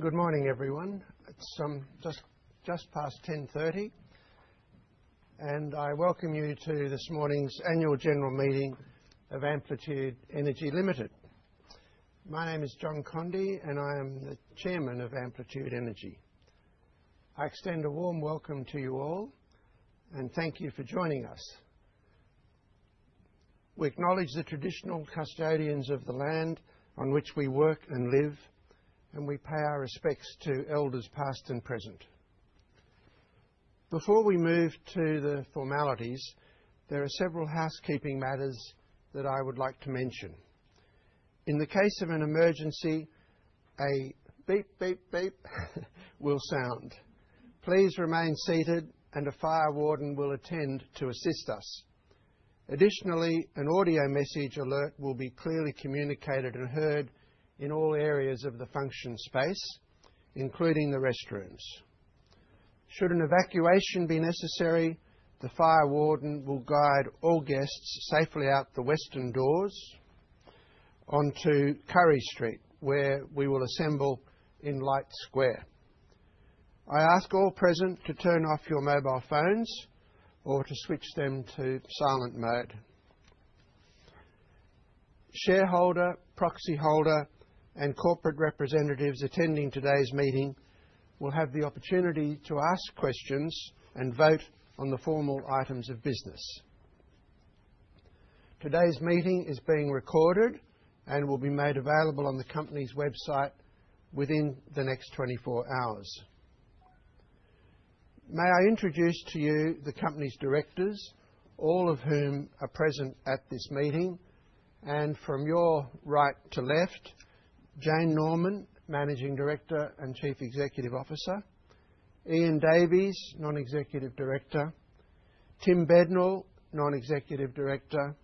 Good morning, everyone. It's just past 10:30 A.M., and I welcome you to this morning's annual general meeting of Amplitude Energy Limited. My name is John Conde, and I am the Chairman of Amplitude Energy. I extend a warm welcome to you all, and thank you for joining us. We acknowledge the traditional custodians of the land on which we work and live, and we pay our respects to elders past and present. Before we move to the formalities, there are several housekeeping matters that I would like to mention. In the case of an emergency, a beep, beep, beep will sound. Please remain seated, and a fire warden will attend to assist us. Additionally, an audio message alert will be clearly communicated and heard in all areas of the function space, including the restrooms. Should an evacuation be necessary, the fire warden will guide all guests safely out the western doors onto Currie Street, where we will assemble in Light Square. I ask all present to turn off your mobile phones or to switch them to silent mode. Shareholder, proxy holder, and corporate representatives attending today's meeting will have the opportunity to ask questions and vote on the formal items of business. Today's meeting is being recorded and will be made available on the company's website within the next 24 hours. May I introduce to you the company's directors, all of whom are present at this meeting, and from your right to left, Jane Norman, Managing Director and Chief Executive Officer, Ian Davies, non-executive director, Tim Bednall, non-executive director,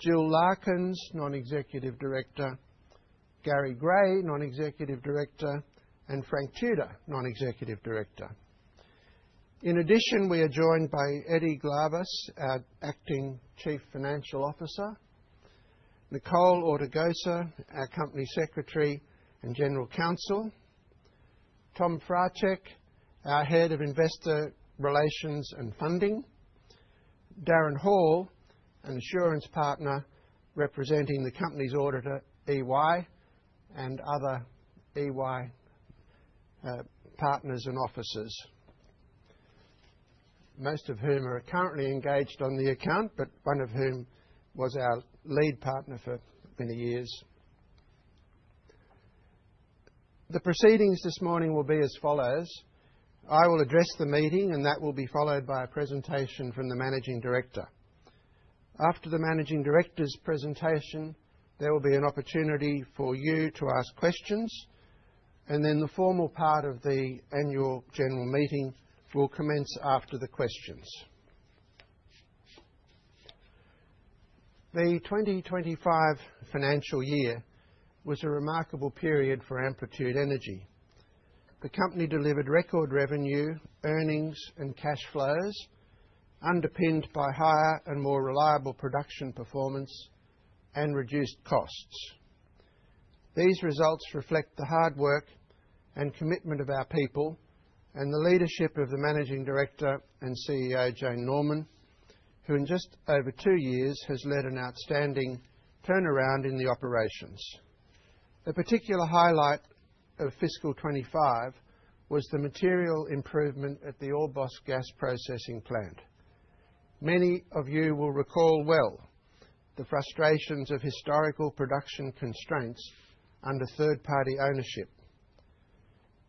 Jill Larkins, non-executive director, Gary Gray, non-executive director, and Frank Tudor, non-executive director. In addition, we are joined by Eddy Glavas, our Acting Chief Financial Officer, Nicole Ortigosa, our Company Secretary and General Counsel, Tom Fratek, our Head of Investor Relations and Funding, Darren Hall, an Assurance Partner representing the company's auditor, EY, and other EY partners and officers, most of whom are currently engaged on the account, but one of whom was our lead partner for many years. The proceedings this morning will be as follows: I will address the meeting, and that will be followed by a presentation from the Managing Director. After the Managing Director's presentation, there will be an opportunity for you to ask questions, and then the formal part of the Annual General Meeting will commence after the questions. The 2025 financial year was a remarkable period for Amplitude Energy. The company delivered record revenue, earnings, and cash flows, underpinned by higher and more reliable production performance and reduced costs. These results reflect the hard work and commitment of our people and the leadership of the Managing Director and CEO, Jane Norman, who in just over two years has led an outstanding turnaround in the operations. A particular highlight of fiscal 2025 was the material improvement at the Orbost Gas Processing Plant. Many of you will recall well the frustrations of historical production constraints under third-party ownership.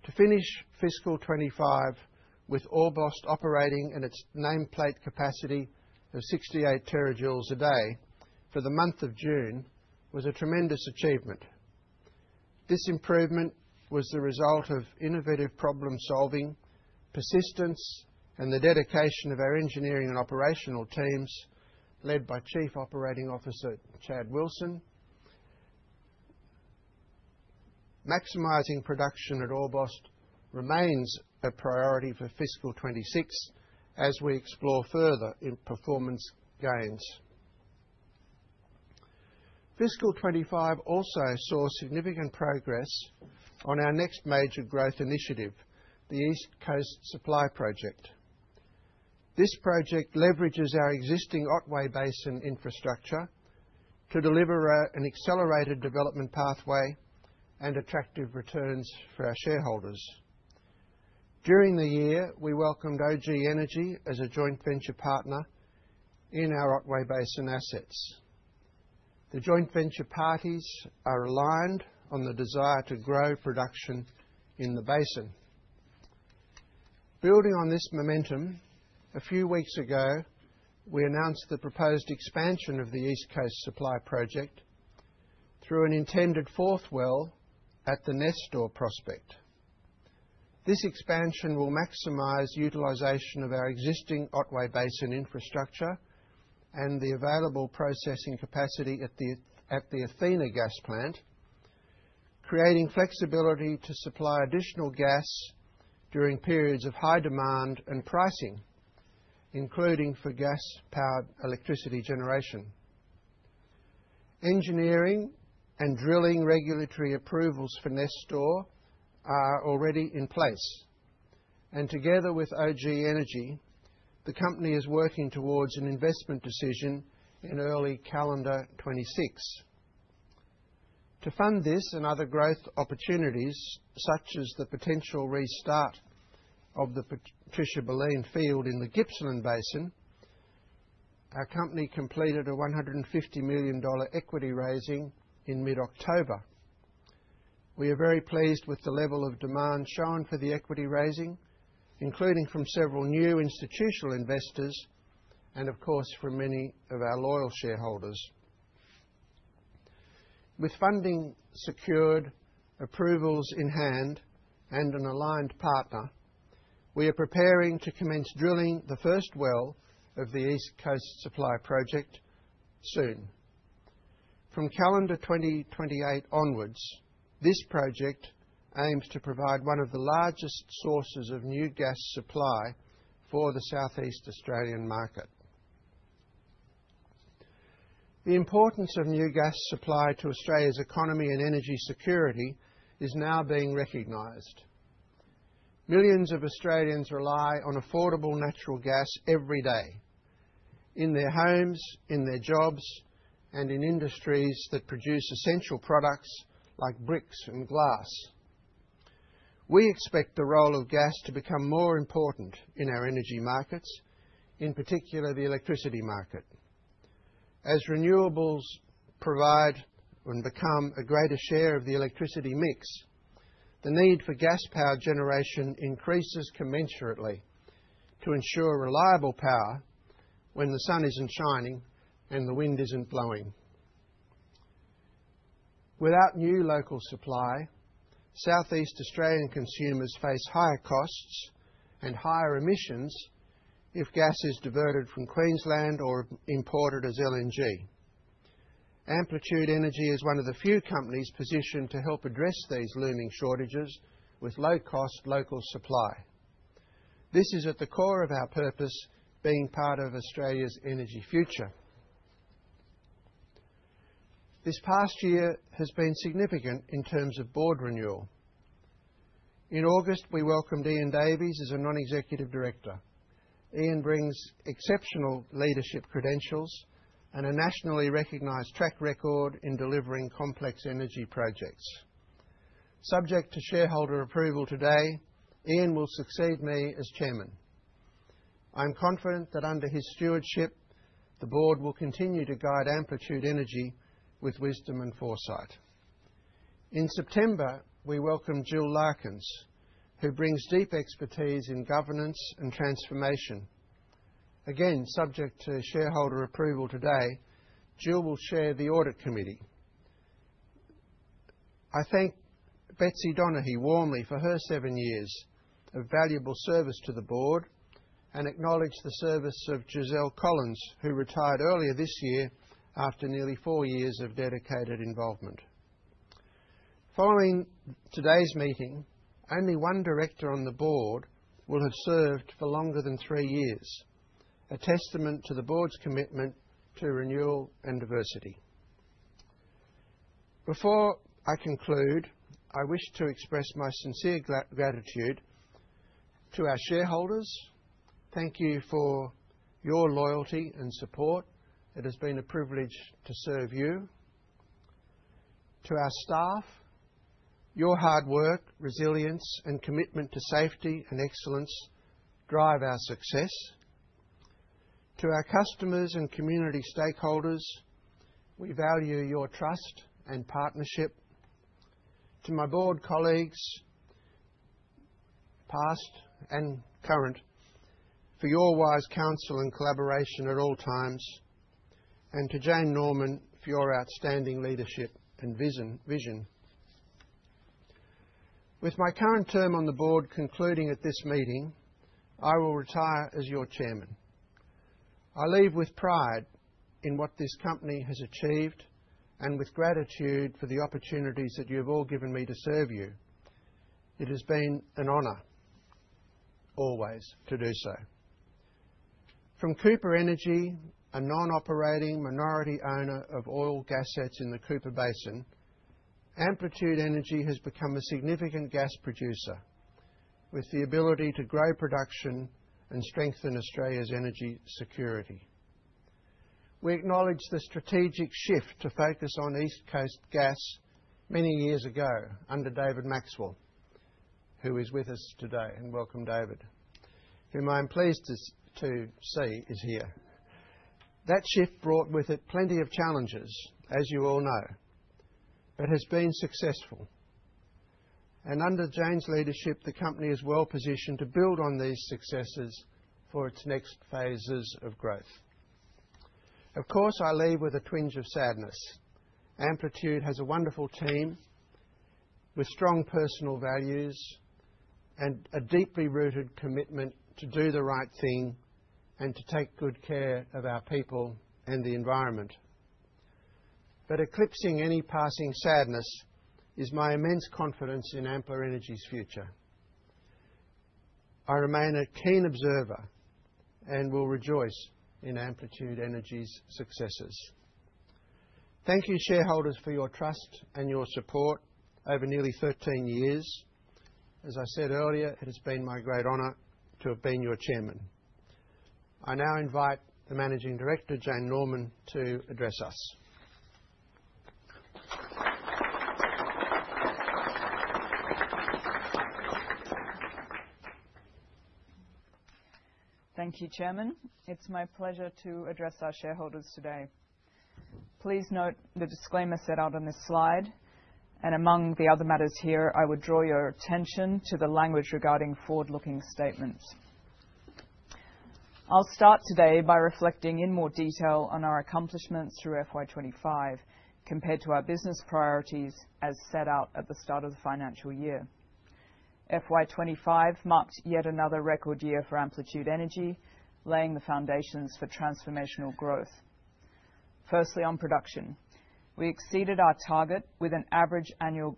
To finish fiscal 2025 with Orbost operating in its nameplate capacity of 68 TJ a day for the month of June was a tremendous achievement. This improvement was the result of innovative problem-solving, persistence, and the dedication of our engineering and operational teams led by Chief Operating Officer Chad Wilson. Maximizing production at Orbost remains a priority for fiscal 2026, as we explore further performance gains. Fiscal 2025 also saw significant progress on our next major growth initiative, the East Coast Supply Project. This project leverages our existing Otway Basin infrastructure to deliver an accelerated development pathway and attractive returns for our shareholders. During the year, we welcomed OG Energy as a joint venture partner in our Otway Basin assets. The joint venture parties are aligned on the desire to grow production in the basin. Building on this momentum, a few weeks ago, we announced the proposed expansion of the East Coast Supply Project through an intended fourth well at the Nestor Prospect. This expansion will maximize utilization of our existing Otway Basin infrastructure and the available processing capacity at the Athena Gas Plant, creating flexibility to supply additional gas during periods of high demand and pricing, including for gas-powered electricity generation. Engineering and drilling regulatory approvals for Nestor are already in place, and together with OG Energy, the company is working towards an investment decision in early calendar 2026. To fund this and other growth opportunities, such as the potential restart of the Patricia Baleen field in the Gippsland Basin, our company completed a 150 million dollar equity raising in mid-October. We are very pleased with the level of demand shown for the equity raising, including from several new institutional investors and, of course, from many of our loyal shareholders. With funding secured, approvals in hand, and an aligned partner, we are preparing to commence drilling the first well of the East Coast Supply Project soon. From calendar 2028 onwards, this project aims to provide one of the largest sources of new gas supply for the Southeast Australian market. The importance of new gas supply to Australia's economy and energy security is now being recognized. Millions of Australians rely on affordable natural gas every day in their homes, in their jobs, and in industries that produce essential products like bricks and glass. We expect the role of gas to become more important in our energy markets, in particular the electricity market. As renewables provide and become a greater share of the electricity mix, the need for gas-powered generation increases commensurately to ensure reliable power when the sun isn't shining and the wind isn't blowing. Without new local supply, Southeast Australian consumers face higher costs and higher emissions if gas is diverted from Queensland or imported as LNG. Amplitude Energy is one of the few companies positioned to help address these looming shortages with low-cost local supply. This is at the core of our purpose being part of Australia's energy future. This past year has been significant in terms of board renewal. In August, we welcomed Ian Davies as a non-executive director. Ian brings exceptional leadership credentials and a nationally recognized track record in delivering complex energy projects. Subject to shareholder approval today, Ian will succeed me as chairman. I'm confident that under his stewardship, the board will continue to guide Amplitude Energy with wisdom and foresight. In September, we welcome Jill Larkins, who brings deep expertise in governance and transformation. Again, subject to shareholder approval today, Jill will chair the Audit Committee. I thank Betsy Donaghey warmly for her seven years of valuable service to the board and acknowledge the service of Giselle Collins, who retired earlier this year after nearly four years of dedicated involvement. Following today's meeting, only one director on the board will have served for longer than three years, a testament to the board's commitment to renewal and diversity. Before I conclude, I wish to express my sincere gratitude to our shareholders. Thank you for your loyalty and support. It has been a privilege to serve you. To our staff, your hard work, resilience, and commitment to safety and excellence drive our success. To our customers and community stakeholders, we value your trust and partnership. To my board colleagues, past and current, for your wise counsel and collaboration at all times, and to Jane Norman for your outstanding leadership and vision. With my current term on the board concluding at this meeting, I will retire as your Chairman. I leave with pride in what this company has achieved and with gratitude for the opportunities that you have all given me to serve you. It has been an honor, always, to do so. From Cooper Energy, a non-operating minority owner of oil and gas assets in the Cooper Basin, Amplitude Energy has become a significant gas producer with the ability to grow production and strengthen Australia's energy security. We acknowledge the strategic shift to focus on East Coast gas many years ago under David Maxwell, who is with us today, and welcome, David, whom I'm pleased to see is here. That shift brought with it plenty of challenges, as you all know, but has been successful. And under Jane's leadership, the company is well positioned to build on these successes for its next phases of growth. Of course, I leave with a twinge of sadness. Amplitude has a wonderful team with strong personal values and a deeply rooted commitment to do the right thing and to take good care of our people and the environment. But eclipsing any passing sadness is my immense confidence in Amplitude Energy's future. I remain a keen observer and will rejoice in Amplitude Energy's successes. Thank you, shareholders, for your trust and your support over nearly 13 years. As I said earlier, it has been my great honor to have been your chairman. I now invite the Managing Director, Jane Norman, to address us. Thank you, Chairman. It's my pleasure to address our shareholders today. Please note the disclaimer set out on this slide, and among the other matters here, I would draw your attention to the language regarding forward-looking statements. I'll start today by reflecting in more detail on our accomplishments through FY 2025 compared to our business priorities as set out at the start of the financial year. FY 2025 marked yet another record year for Amplitude Energy, laying the foundations for transformational growth. Firstly, on production, we exceeded our target with an average annual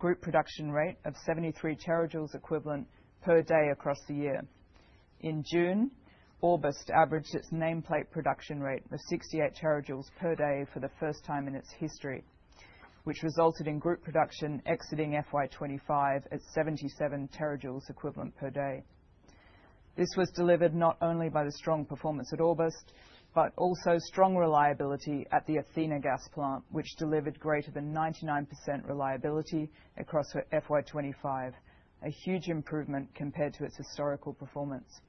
group production rate of 73 TJ equivalent per day across the year. In June, Orbost averaged its nameplate production rate of 68 TJ per day for the first time in its history, which resulted in group production exiting FY 2025 at 77 TJ equivalent per day. This was delivered not only by the strong performance at Orbost, but also strong reliability at the Athena Gas Plant, which delivered greater than 99% reliability across FY 2025, a huge improvement compared to its historical performance.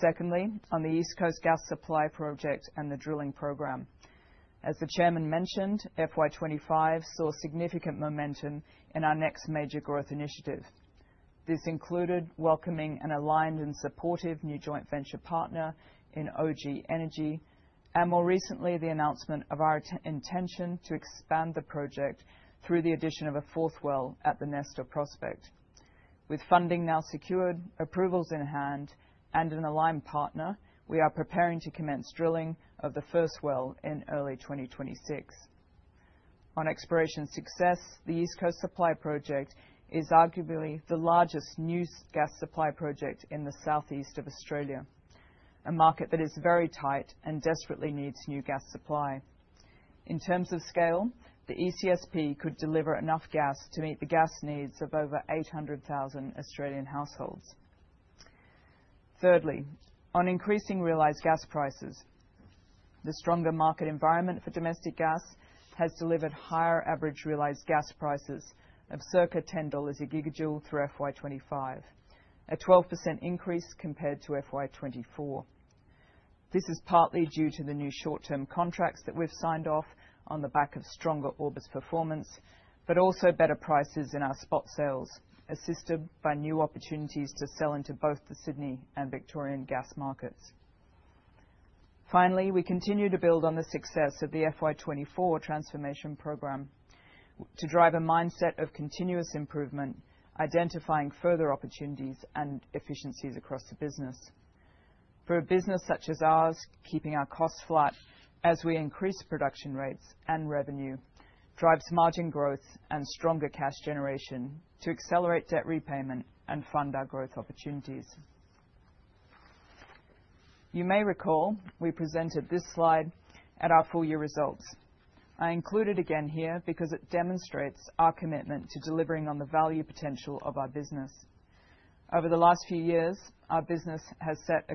Secondly, on the East Coast Gas Supply Project and the drilling program. As the Chairman mentioned, FY 2025 saw significant momentum in our next major growth initiative. This included welcoming an aligned and supportive new joint venture partner in OG Energy and, more recently, the announcement of our intention to expand the project through the addition of a fourth well at the Nestor Prospect. With funding now secured, approvals in hand, and an aligned partner, we are preparing to commence drilling of the first well in early 2026. On exploration success, the East Coast Supply Project is arguably the largest new gas supply project in the Southeast of Australia, a market that is very tight and desperately needs new gas supply. In terms of scale, the ECSP could deliver enough gas to meet the gas needs of over 800,000 Australian households. Thirdly, on increasing realized gas prices, the stronger market environment for domestic gas has delivered higher average realized gas prices of circa 10 dollars a gigajoule through FY 2025, a 12% increase compared to FY 2024. This is partly due to the new short-term contracts that we've signed off on the back of stronger Orbost performance, but also better prices in our spot sales, assisted by new opportunities to sell into both the Sydney and Victorian gas markets. Finally, we continue to build on the success of the FY 2024 transformation program to drive a mindset of continuous improvement, identifying further opportunities and efficiencies across the business. For a business such as ours, keeping our costs flat as we increase production rates and revenue drives margin growth and stronger cash generation to accelerate debt repayment and fund our growth opportunities. You may recall we presented this slide at our full year results. I include it again here because it demonstrates our commitment to delivering on the value potential of our business. Over the last few years, our business has set a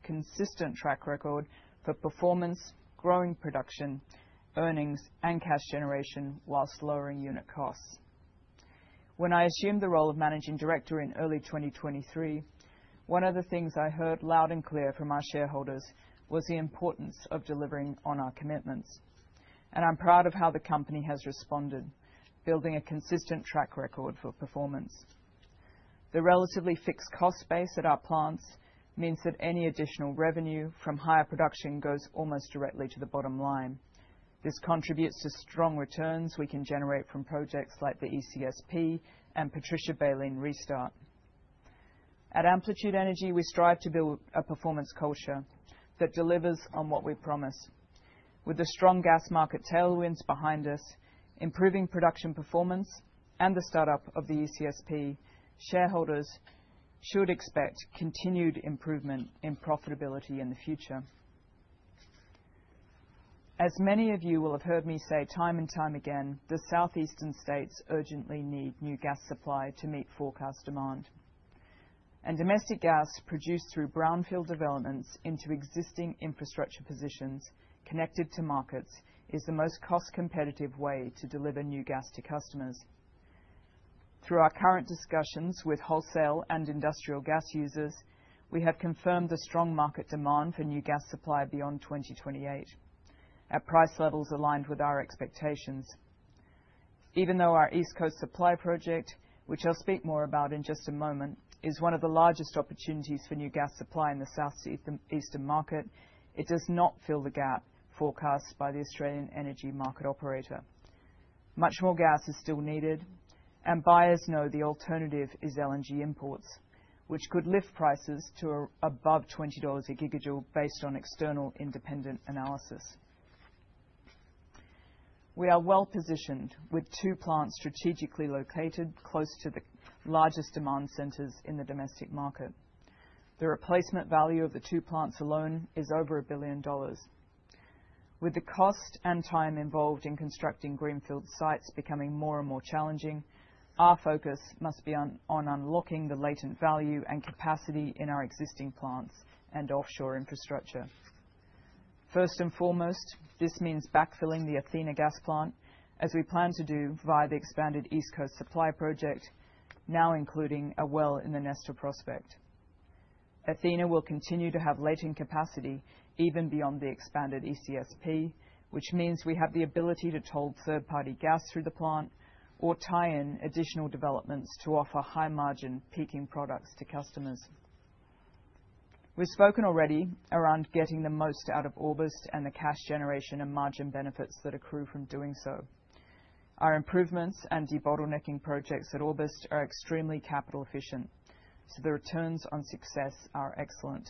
consistent track record for performance, growing production, earnings, and cash generation while lowering unit costs. When I assumed the role of Managing Director in early 2023, one of the things I heard loud and clear from our shareholders was the importance of delivering on our commitments. And I'm proud of how the company has responded, building a consistent track record for performance. The relatively fixed cost base at our plants means that any additional revenue from higher production goes almost directly to the bottom line. This contributes to strong returns we can generate from projects like the ECSP and Patricia Baleen Restart. At Amplitude Energy, we strive to build a performance culture that delivers on what we promise. With the strong gas market tailwinds behind us, improving production performance, and the startup of the ECSP, shareholders should expect continued improvement in profitability in the future. As many of you will have heard me say time and time again, the Southeastern states urgently need new gas supply to meet forecast demand. And domestic gas produced through brownfield developments into existing infrastructure positions connected to markets is the most cost-competitive way to deliver new gas to customers. Through our current discussions with wholesale and industrial gas users, we have confirmed the strong market demand for new gas supply beyond 2028 at price levels aligned with our expectations. Even though our East Coast Supply Project, which I'll speak more about in just a moment, is one of the largest opportunities for new gas supply in the Southeastern market, it does not fill the gap forecast by the Australian energy market operator. Much more gas is still needed, and buyers know the alternative is LNG imports, which could lift prices to above 20 dollars a gigajoule based on external independent analysis. We are well positioned with two plants strategically located close to the largest demand centers in the domestic market. The replacement value of the two plants alone is over a billion dollars. With the cost and time involved in constructing greenfield sites becoming more and more challenging, our focus must be on unlocking the latent value and capacity in our existing plants and offshore infrastructure. First and foremost, this means backfilling the Athena Gas Plant, as we plan to do via the expanded East Coast Supply Project, now including a well in the Nestor Prospect. Athena will continue to have latent capacity even beyond the expanded ECSP, which means we have the ability to toll third-party gas through the plant or tie in additional developments to offer high-margin peaking products to customers. We've spoken already around getting the most out of Orbost and the cash generation and margin benefits that accrue from doing so. Our improvements and debottlenecking projects at Orbost are extremely capital-efficient, so the returns on success are excellent.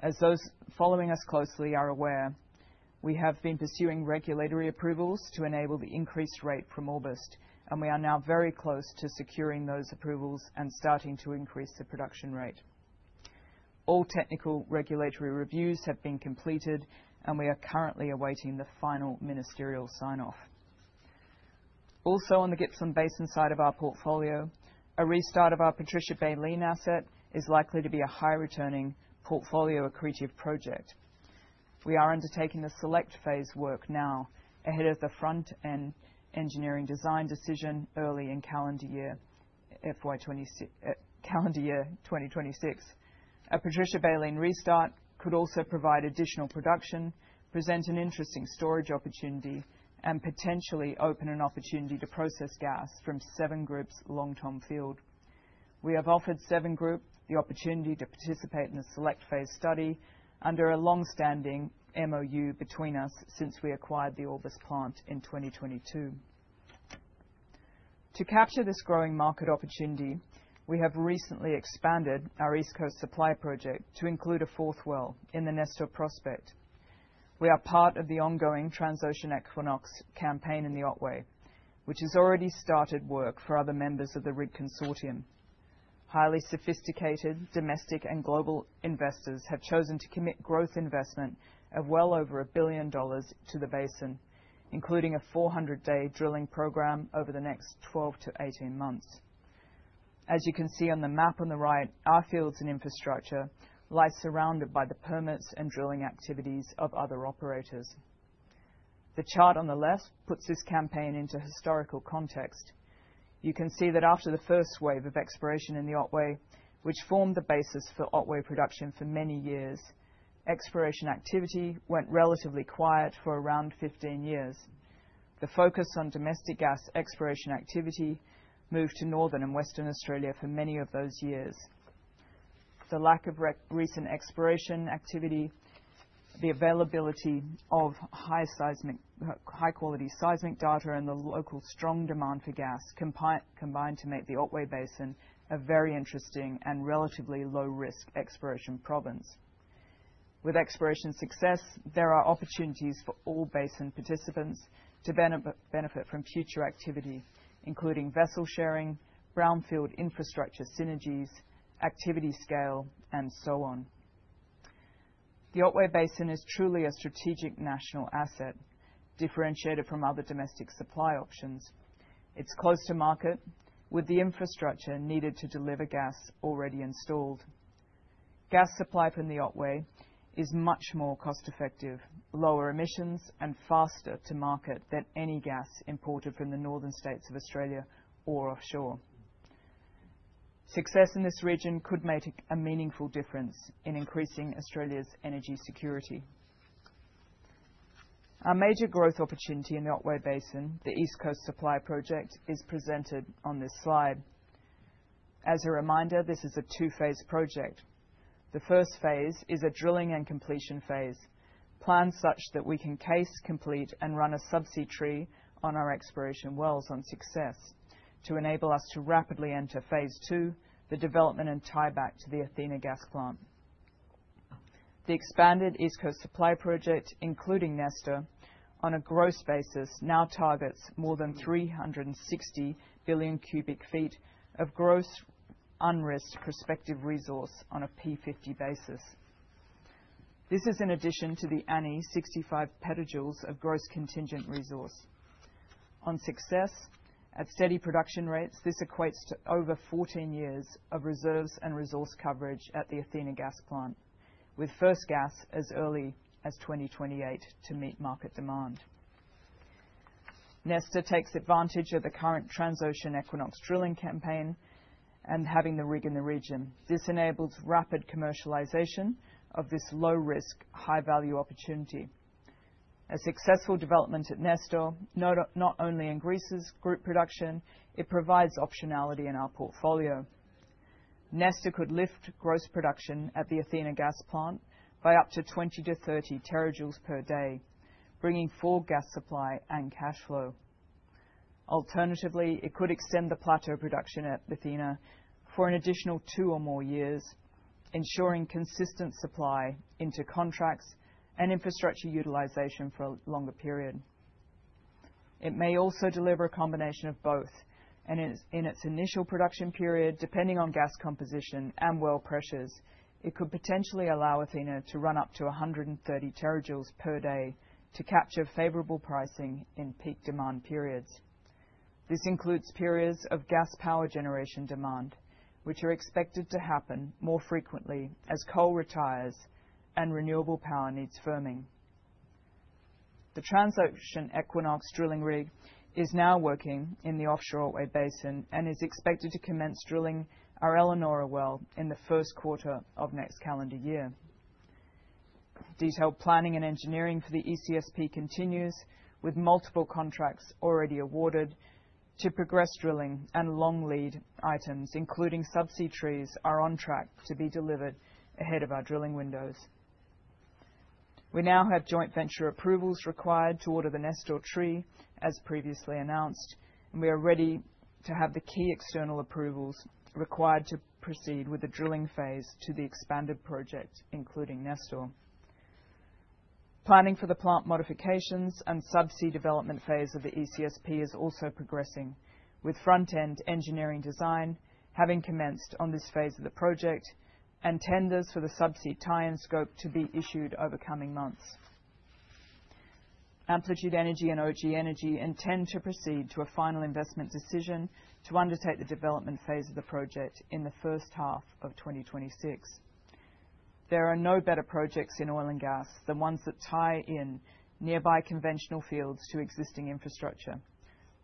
As those following us closely are aware, we have been pursuing regulatory approvals to enable the increased rate from Orbost, and we are now very close to securing those approvals and starting to increase the production rate. All technical regulatory reviews have been completed, and we are currently awaiting the final ministerial sign-off. Also, on the Gippsland Basin side of our portfolio, a restart of our Patricia Baleen asset is likely to be a high-returning portfolio accretive project. We are undertaking the Select phase work now ahead of the Front-End Engineering Design decision early in calendar year 2026. A Patricia Baleen restart could also provide additional production, present an interesting storage opportunity, and potentially open an opportunity to process gas from Seven Group's Longtom field. We have offered Seven Group the opportunity to participate in the Select phase study under a long-standing MoU between us since we acquired the Orbost plant in 2022. To capture this growing market opportunity, we have recently expanded our East Coast Supply Project to include a fourth well in the Nestor Prospect. We are part of the ongoing Transocean Equinox campaign in the Otway, which has already started work for other members of the Rig Consortium. Highly sophisticated domestic and global investors have chosen to commit growth investment of well over $1 billion to the basin, including a 400-day drilling program over the next 12 months-18 months. As you can see on the map on the right, our fields and infrastructure lie surrounded by the permits and drilling activities of other operators. The chart on the left puts this campaign into historical context. You can see that after the first wave of exploration in the Otway, which formed the basis for Otway production for many years, exploration activity went relatively quiet for around 15 years. The focus on domestic gas exploration activity moved to northern and western Australia for many of those years. The lack of recent exploration activity, the availability of high-quality seismic data, and the local strong demand for gas combined to make the Otway Basin a very interesting and relatively low-risk exploration province. With exploration success, there are opportunities for all basin participants to benefit from future activity, including vessel sharing, brownfield infrastructure synergies, activity scale, and so on. The Otway Basin is truly a strategic national asset, differentiated from other domestic supply options. It's close to market with the infrastructure needed to deliver gas already installed. Gas supply from the Otway is much more cost-effective, lower emissions, and faster to market than any gas imported from the northern states of Australia or offshore. Success in this region could make a meaningful difference in increasing Australia's energy security. Our major growth opportunity in the Otway Basin, the East Coast Supply Project, is presented on this slide. As a reminder, this is a two-phase project. The first phase is a drilling and completion phase, planned such that we can case, complete, and run a subsea tree on our exploration wells on success to enable us to rapidly enter phase II, the development and tieback to the Athena Gas Plant. The expanded East Coast Supply Project, including Nestor, on a gross basis now targets more than 360 billion cu ft of gross unrisked prospective resource on a P50 basis. This is in addition to the Annie 65 PJ of gross contingent resource. On success, at steady production rates, this equates to over 14 years of reserves and resource coverage at the Athena Gas Plant, with first gas as early as 2028 to meet market demand. Nestor takes advantage of the current Transocean Equinox drilling campaign and having the rig in the region. This enables rapid commercialization of this low-risk, high-value opportunity. A successful development at Nestor not only increases group production, it provides optionality in our portfolio. Nestor could lift gross production at the Athena Gas Plant by up to 20 TJ-30 TJ per day, bringing full gas supply and cash flow. Alternatively, it could extend the plateau production at Athena for an additional two or more years, ensuring consistent supply into contracts and infrastructure utilization for a longer period. It may also deliver a combination of both, and in its initial production period, depending on gas composition and well pressures, it could potentially allow Athena to run up to 130 TJ per day to capture favorable pricing in peak demand periods. This includes periods of gas power generation demand, which are expected to happen more frequently as coal retires and renewable power needs firming. The Transocean Equinox drilling rig is now working in the offshore Otway Basin and is expected to commence drilling our Elanora well in the first quarter of next calendar year. Detailed planning and engineering for the ECSP continues, with multiple contracts already awarded to progress drilling and long lead items, including subsea trees, are on track to be delivered ahead of our drilling windows. We now have joint venture approvals required to order the Nestor tree, as previously announced, and we are ready to have the key external approvals required to proceed with the drilling phase to the expanded project, including Nestor. Planning for the plant modifications and subsea development phase of the ECSP is also progressing, with Front-End Engineering Design having commenced on this phase of the project and tenders for the subsea tie-in scope to be issued over coming months. Amplitude Energy and OG Energy intend to proceed to a final investment decision to undertake the development phase of the project in the first half of 2026. There are no better projects in oil and gas than ones that tie in nearby conventional fields to existing infrastructure.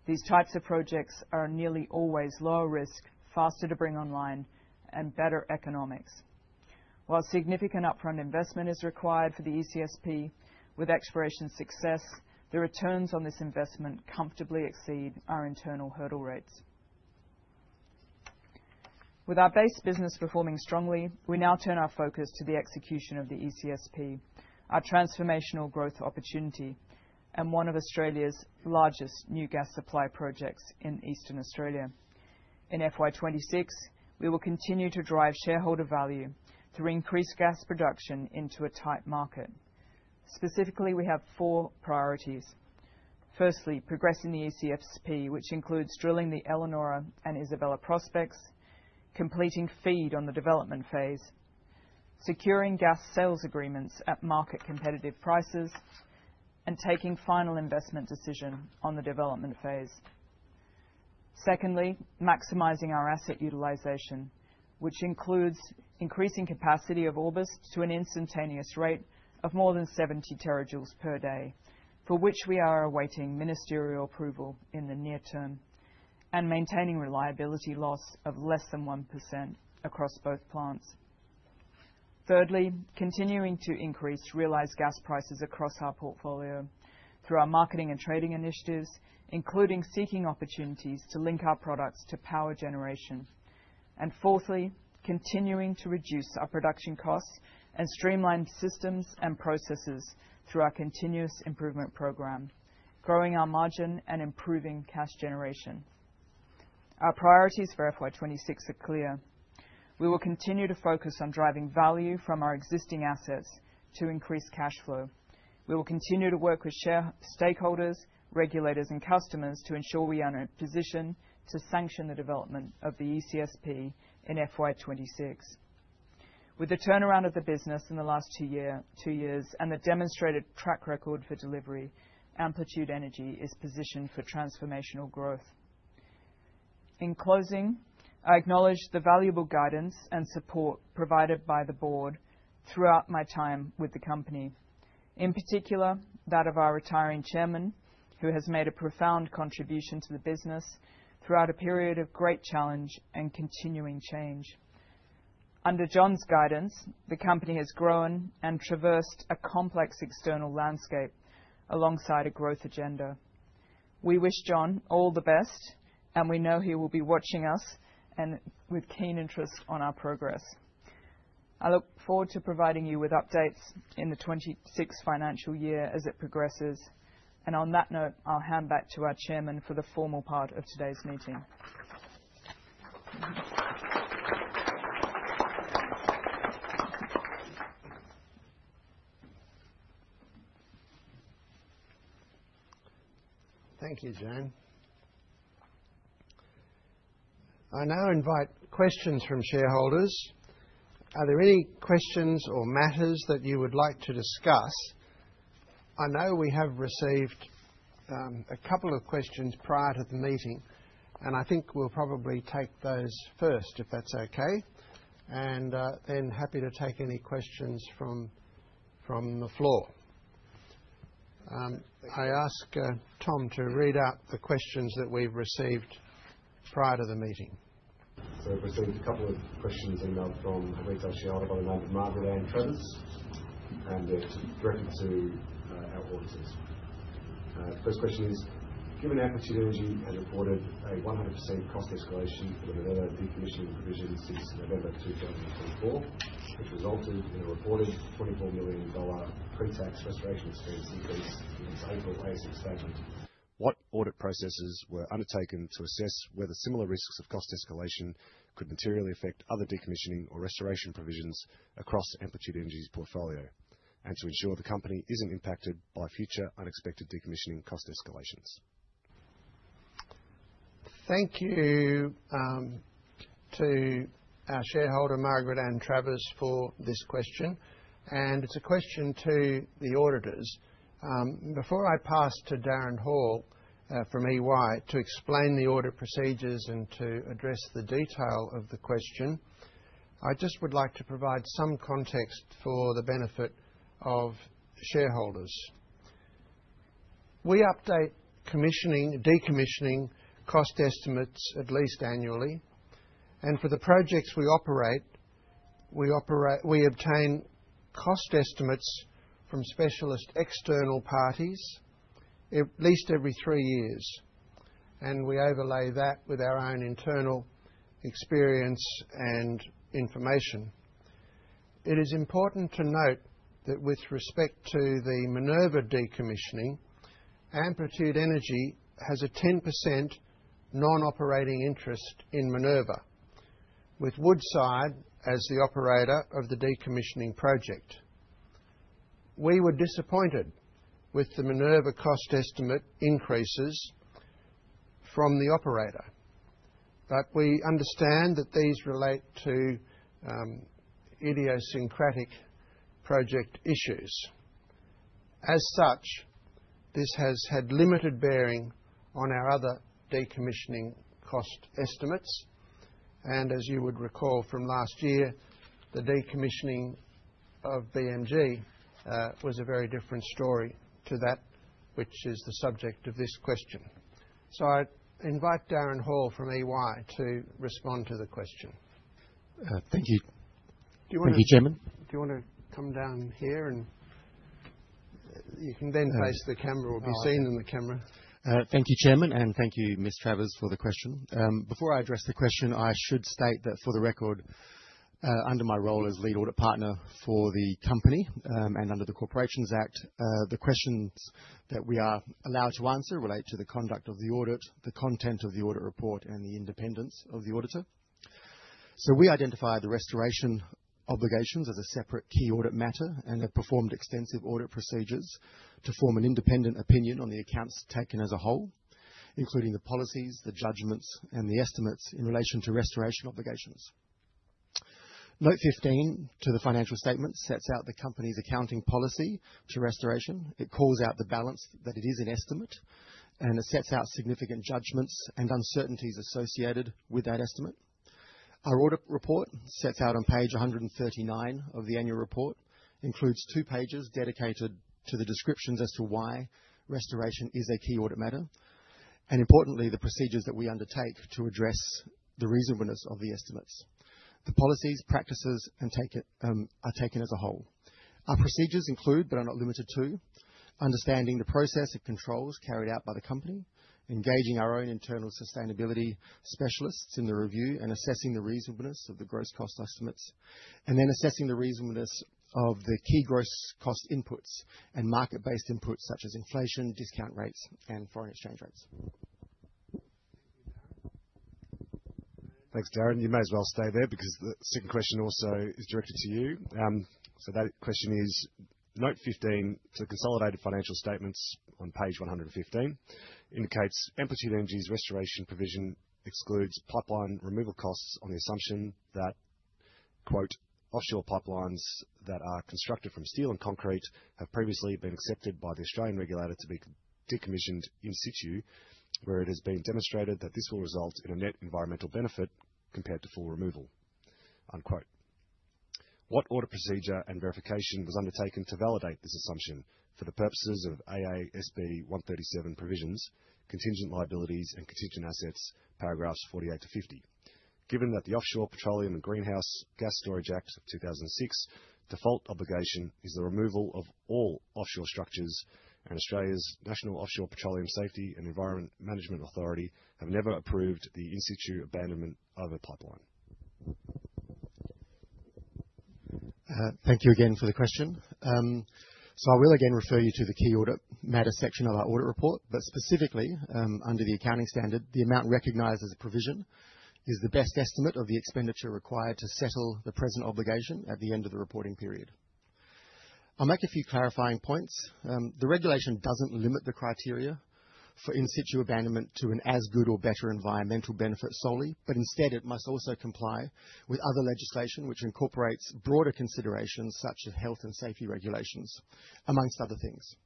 These types of projects are nearly always lower risk, faster to bring online, and better economics. While significant upfront investment is required for the ECSP, with exploration success, the returns on this investment comfortably exceed our internal hurdle rates. With our base business performing strongly, we now turn our focus to the execution of the ECSP, our transformational growth opportunity, and one of Australia's largest new gas supply projects in Eastern Australia. In FY 2026, we will continue to drive shareholder value through increased gas production into a tight market. Specifically, we have four priorities. Firstly, progressing the ECSP, which includes drilling the Elanora and Isabella prospects, completing FEED on the development phase, securing gas sales agreements at market-competitive prices, and taking Final Investment Decision on the development phase. Secondly, maximizing our asset utilization, which includes increasing capacity of Orbost to an instantaneous rate of more than 70 TJ per day, for which we are awaiting ministerial approval in the near term, and maintaining reliability loss of less than 1% across both plants. Thirdly, continuing to increase realized gas prices across our portfolio through our marketing and trading initiatives, including seeking opportunities to link our products to power generation. And fourthly, continuing to reduce our production costs and streamline systems and processes through our continuous improvement program, growing our margin and improving cash generation. Our priorities for FY 2026 are clear. We will continue to focus on driving value from our existing assets to increase cash flow. We will continue to work with key stakeholders, regulators, and customers to ensure we are in a position to sanction the development of the ECSP in FY 2026. With the turnaround of the business in the last two years and the demonstrated track record for delivery, Amplitude Energy is positioned for transformational growth. In closing, I acknowledge the valuable guidance and support provided by the board throughout my time with the company, in particular that of our retiring chairman, who has made a profound contribution to the business throughout a period of great challenge and continuing change. Under John's guidance, the company has grown and traversed a complex external landscape alongside a growth agenda. We wish John all the best, and we know he will be watching us and with keen interest on our progress. I look forward to providing you with updates in the 2026 financial year as it progresses, and on that note, I'll hand back to our chairman for the formal part of today's meeting. Thank you, Jane. I now invite questions from shareholders. Are there any questions or matters that you would like to discuss? I know we have received a couple of questions prior to the meeting, and I think we'll probably take those first, if that's okay, and then happy to take any questions from the floor. I ask Tom to read out the questions that we've received prior to the meeting. So I've received a couple of questions in from retail shareholder by the name of Margaret Anne Trevors, and they're directed to our auditors. First question is, given Amplitude Energy has reported a 100% cost escalation for the Minerva decommissioning provision since November 2024, which resulted in a reported 24 million dollar pre-tax restoration expense increase against April ASX statement. What audit processes were undertaken to assess whether similar risks of cost escalation could materially affect other decommissioning or restoration provisions across Amplitude Energy's portfolio, and to ensure the company isn't impacted by future unexpected decommissioning cost escalations? Thank you to our shareholder, Margaret Anne Trevors, for this question, and it's a question to the auditors. Before I pass to Darren Hall from EY to explain the audit procedures and to address the detail of the question, I just would like to provide some context for the benefit of shareholders. We update decommissioning cost estimates at least annually, and for the projects we operate, we obtain cost estimates from specialist external parties at least every three years, and we overlay that with our own internal experience and information. It is important to note that with respect to the Minerva decommissioning, Amplitude Energy has a 10% non-operating interest in Minerva, with Woodside as the operator of the decommissioning project. We were disappointed with the Minerva cost estimate increases from the operator, but we understand that these relate to idiosyncratic project issues. As such, this has had limited bearing on our other decommissioning cost estimates, and as you would recall from last year, the decommissioning of BMG was a very different story to that, which is the subject of this question, so I invite Darren Hall from EY to respond to the question. Thank you. Thank you, Chairman. Do you want to come down here and you can then face the camera or be seen in the camera? Thank you, Chairman, and thank you, Ms. Trevors, for the question. Before I address the question, I should state that for the record, under my role as lead audit partner for the company and under the Corporations Act, the questions that we are allowed to answer relate to the conduct of the audit, the content of the audit report, and the independence of the auditor. So we identify the restoration obligations as a separate key audit matter and have performed extensive audit procedures to form an independent opinion on the accounts taken as a whole, including the policies, the judgments, and the estimates in relation to restoration obligations. Note 15 to the financial statements sets out the company's accounting policy to restoration. It calls out the balance that it is an estimate, and it sets out significant judgments and uncertainties associated with that estimate. Our audit report sets out on Page 139 of the Annual Report, includes two pages dedicated to the descriptions as to why restoration is a key audit matter, and importantly, the procedures that we undertake to address the reasonableness of the estimates, the policies, practices, and taken as a whole. Our procedures include, but are not limited to, understanding the process of controls carried out by the company, engaging our own internal sustainability specialists in the review and assessing the reasonableness of the gross cost estimates, and then assessing the reasonableness of the key gross cost inputs and market-based inputs such as inflation, discount rates, and foreign exchange rates. Thank you, Darren. Thanks, Darren, and you may as well stay there because the second question also is directed to you. That question is, note 15 to the consolidated financial statements on page 115 indicates Amplitude Energy's restoration provision excludes pipeline removal costs on the assumption that, "offshore pipelines that are constructed from steel and concrete have previously been accepted by the Australian regulator to be decommissioned in situ, where it has been demonstrated that this will result in a net environmental benefit compared to full removal." What audit procedure and verification was undertaken to validate this assumption for the purposes of AASB 137 provisions, contingent liabilities, and contingent assets, paragraphs 48- paragraphs 50? Given that the Offshore Petroleum and Greenhouse Gas Storage Act of 2006 default obligation is the removal of all offshore structures, and Australia's National Offshore Petroleum Safety and Environment Management Authority have never approved the in situ abandonment of a pipeline. Thank you again for the question. So I will again refer you to the key audit matter section of our audit report, but specifically under the accounting standard, the amount recognized as a provision is the best estimate of the expenditure required to settle the present obligation at the end of the reporting period. I'll make a few clarifying points. The regulation doesn't limit the criteria for in situ abandonment to as good or better environmental benefit solely, but instead it must also comply with other legislation which incorporates broader considerations such as health and safety regulations, among other things.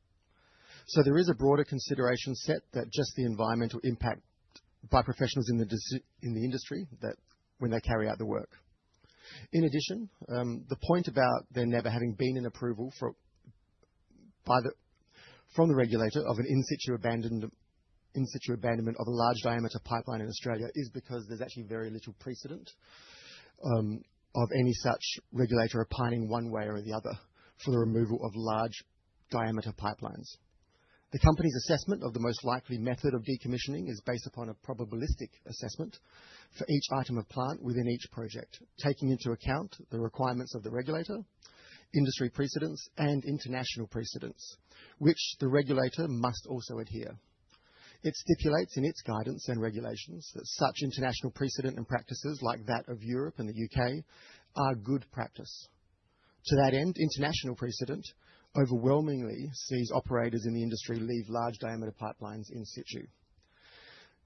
So there is a broader consideration set than just the environmental impact by professionals in the industry that when they carry out the work. In addition, the point about there never having been an approval from the regulator of an in situ abandonment of a large diameter pipeline in Australia is because there's actually very little precedent of any such regulator opining one way or the other for the removal of large diameter pipelines. The company's assessment of the most likely method of decommissioning is based upon a probabilistic assessment for each item of plant within each project, taking into account the requirements of the regulator, industry precedents, and international precedents, which the regulator must also adhere. It stipulates in its guidance and regulations that such international precedent and practices like that of Europe and the U.K. are good practice. To that end, international precedent overwhelmingly sees operators in the industry leave large diameter pipelines in situ,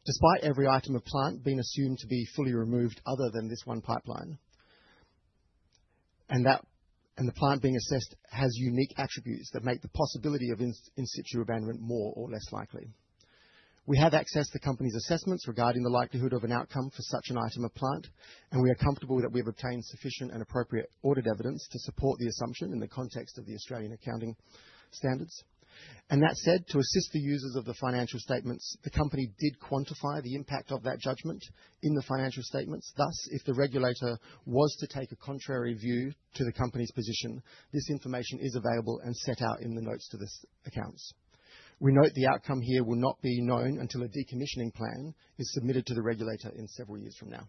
despite every item of plant being assumed to be fully removed other than this one pipeline, and the plant being assessed has unique attributes that make the possibility of in situ abandonment more or less likely. We have accessed the company's assessments regarding the likelihood of an outcome for such an item of plant, and we are comfortable that we have obtained sufficient and appropriate audit evidence to support the assumption in the context of the Australian accounting standards, and that said, to assist the users of the financial statements, the company did quantify the impact of that judgment in the financial statements. Thus, if the regulator was to take a contrary view to the company's position, this information is available and set out in the notes to these accounts. We note the outcome here will not be known until a decommissioning plan is submitted to the regulator in several years from now.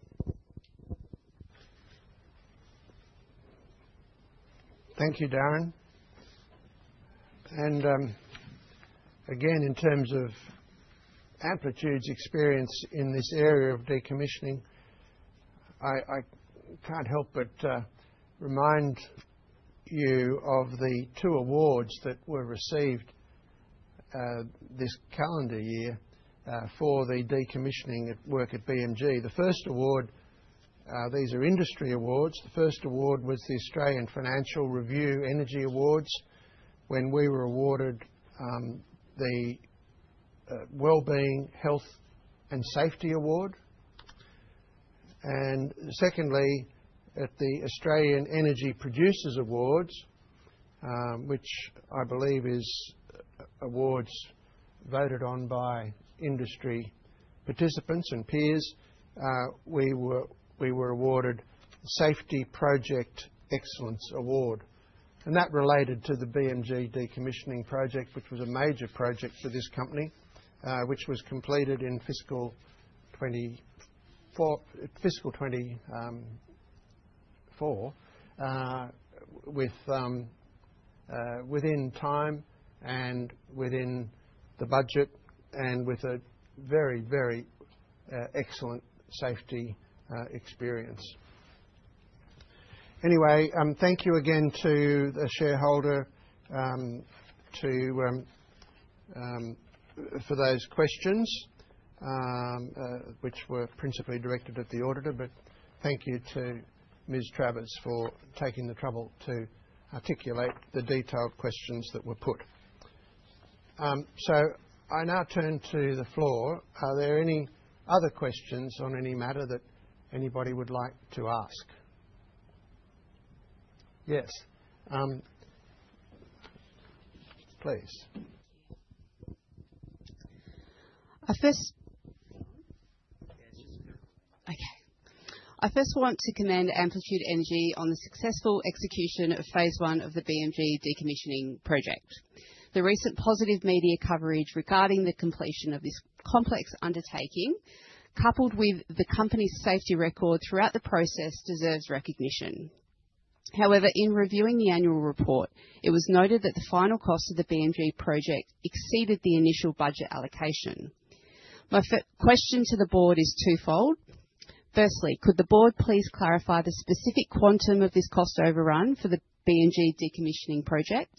Thank you, Darren, and again, in terms of Amplitude's experience in this area of decommissioning, I can't help but remind you of the two awards that were received this calendar year for the decommissioning work at BMG. The first award, these are industry awards. The first award was the Australian Financial Review Energy Awards when we were awarded the Wellbeing, Health, and Safety Award, and secondly, at the Australian Energy Producers Awards, which I believe is awards voted on by industry participants and peers, we were awarded Safety Project Excellence Award, and that related to the BMG decommissioning project, which was a major project for this company, which was completed in fiscal 2024 within time and within the budget and with a very, very excellent safety experience. Anyway, thank you again to the shareholder for those questions, which were principally directed at the auditor, but thank you to Ms. Trevors for taking the trouble to articulate the detailed questions that were put. So I now turn to the floor. Are there any other questions on any matter that anybody would like to ask? Yes, please. Okay. I first want to commend Amplitude Energy on the successful execution of phase I of the BMG decommissioning project. The recent positive media coverage regarding the completion of this complex undertaking, coupled with the company's safety record throughout the process, deserves recognition. However, in reviewing the Annual Report, it was noted that the final cost of the BMG project exceeded the initial budget allocation. My question to the board is twofold. Firstly, could the board please clarify the specific quantum of this cost overrun for the BMG decommissioning project?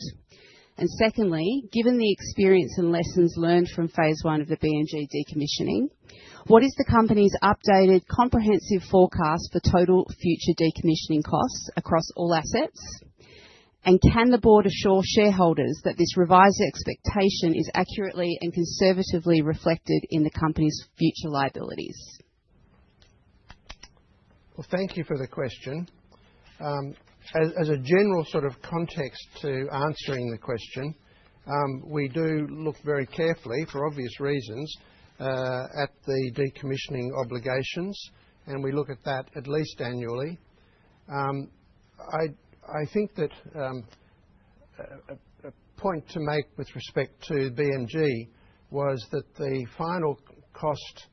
And secondly, given the experience and lessons learned from phase I of the BMG decommissioning, what is the company's updated comprehensive forecast for total future decommissioning costs across all assets? And can the board assure shareholders that this revised expectation is accurately and conservatively reflected in the company's future liabilities? Well, thank you for the question. As a general sort of context to answering the question, we do look very carefully for obvious reasons at the decommissioning obligations, and we look at that at least annually. I think that a point to make with respect to BMG was that the final cost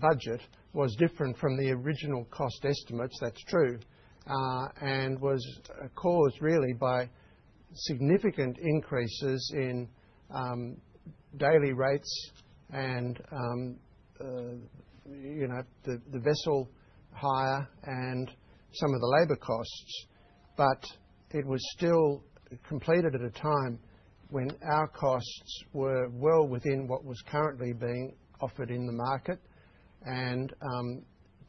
budget was different from the original cost estimates. That's true, and was caused really by significant increases in daily rates and the vessel hire and some of the labor costs. But it was still completed at a time when our costs were well within what was currently being offered in the market, and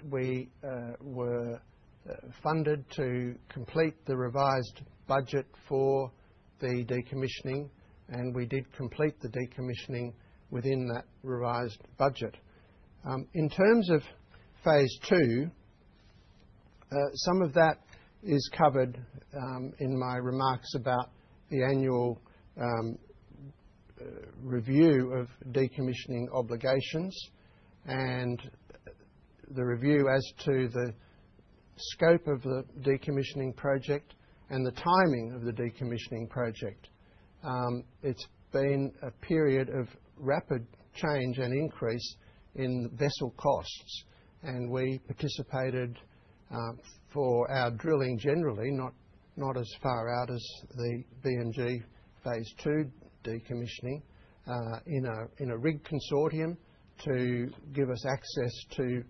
we were funded to complete the revised budget for the decommissioning, and we did complete the decommissioning within that revised budget. In terms of phase II, some of that is covered in my remarks about the annual review of decommissioning obligations and the review as to the scope of the decommissioning project and the timing of the decommissioning project. It's been a period of rapid change and increase in vessel costs, and we participated for our drilling generally, not as far out as the BMG phase II decommissioning in a rig consortium to give us access to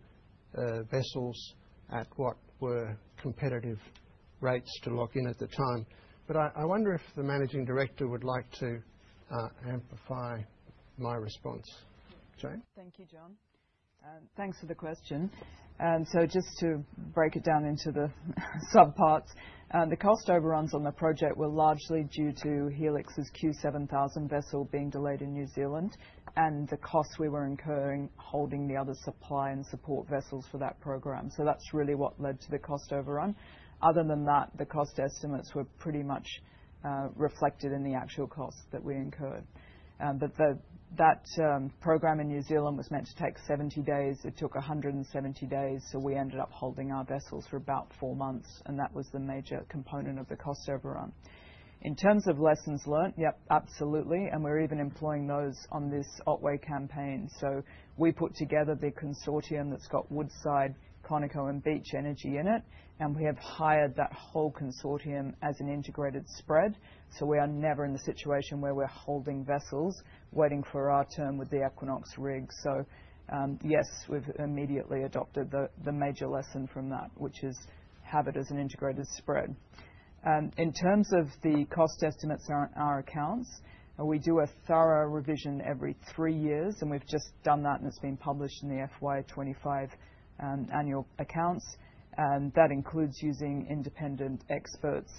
vessels at what were competitive rates to lock in at the time. But I wonder if the Managing Director would like to amplify my response. Thank you, John.Thanks for the question. So just to break it down into the subparts, the cost overruns on the project were largely due to Helix's Q7000 vessel being delayed in New Zealand and the costs we were incurring holding the other supply and support vessels for that program. So that's really what led to the cost overrun. Other than that, the cost estimates were pretty much reflected in the actual costs that we incurred. But that program in New Zealand was meant to take 70 days. It took 170 days, so we ended up holding our vessels for about four months, and that was the major component of the cost overrun. In terms of lessons learned, yep, absolutely, and we're even employing those on this Otway campaign. So we put together the consortium that's got Woodside, Conoco and Beach Energy in it, and we have hired that whole consortium as an integrated spread. So yes, we've immediately adopted the major lesson from that, which is have it as an integrated spread. In terms of the cost estimates on our accounts, we do a thorough revision every three years, and we've just done that, and it's been published in the FY 2025 annual accounts. That includes using independent experts,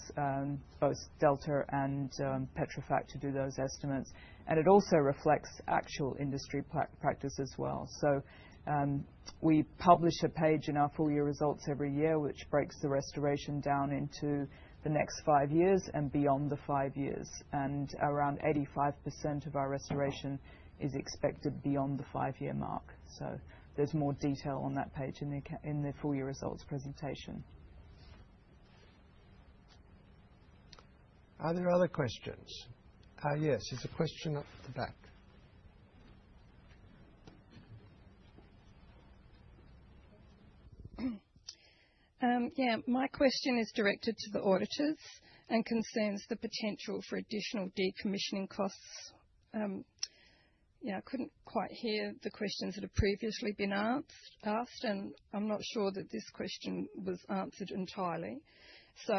both Delta and Petrofac, to do those estimates, and it also reflects actual industry practice as well. So we publish a page in our full year results every year, which breaks the restoration down into the next five years and beyond the five years, and around 85% of our restoration is expected beyond the five-year mark. So there's more detail on that page in the full year results presentation. Are there other questions? Yes, there's a question up the back. Yeah, my question is directed to the auditors and concerns the potential for additional decommissioning costs. Yeah, I couldn't quite hear the questions that have previously been asked, and I'm not sure that this question was answered entirely. So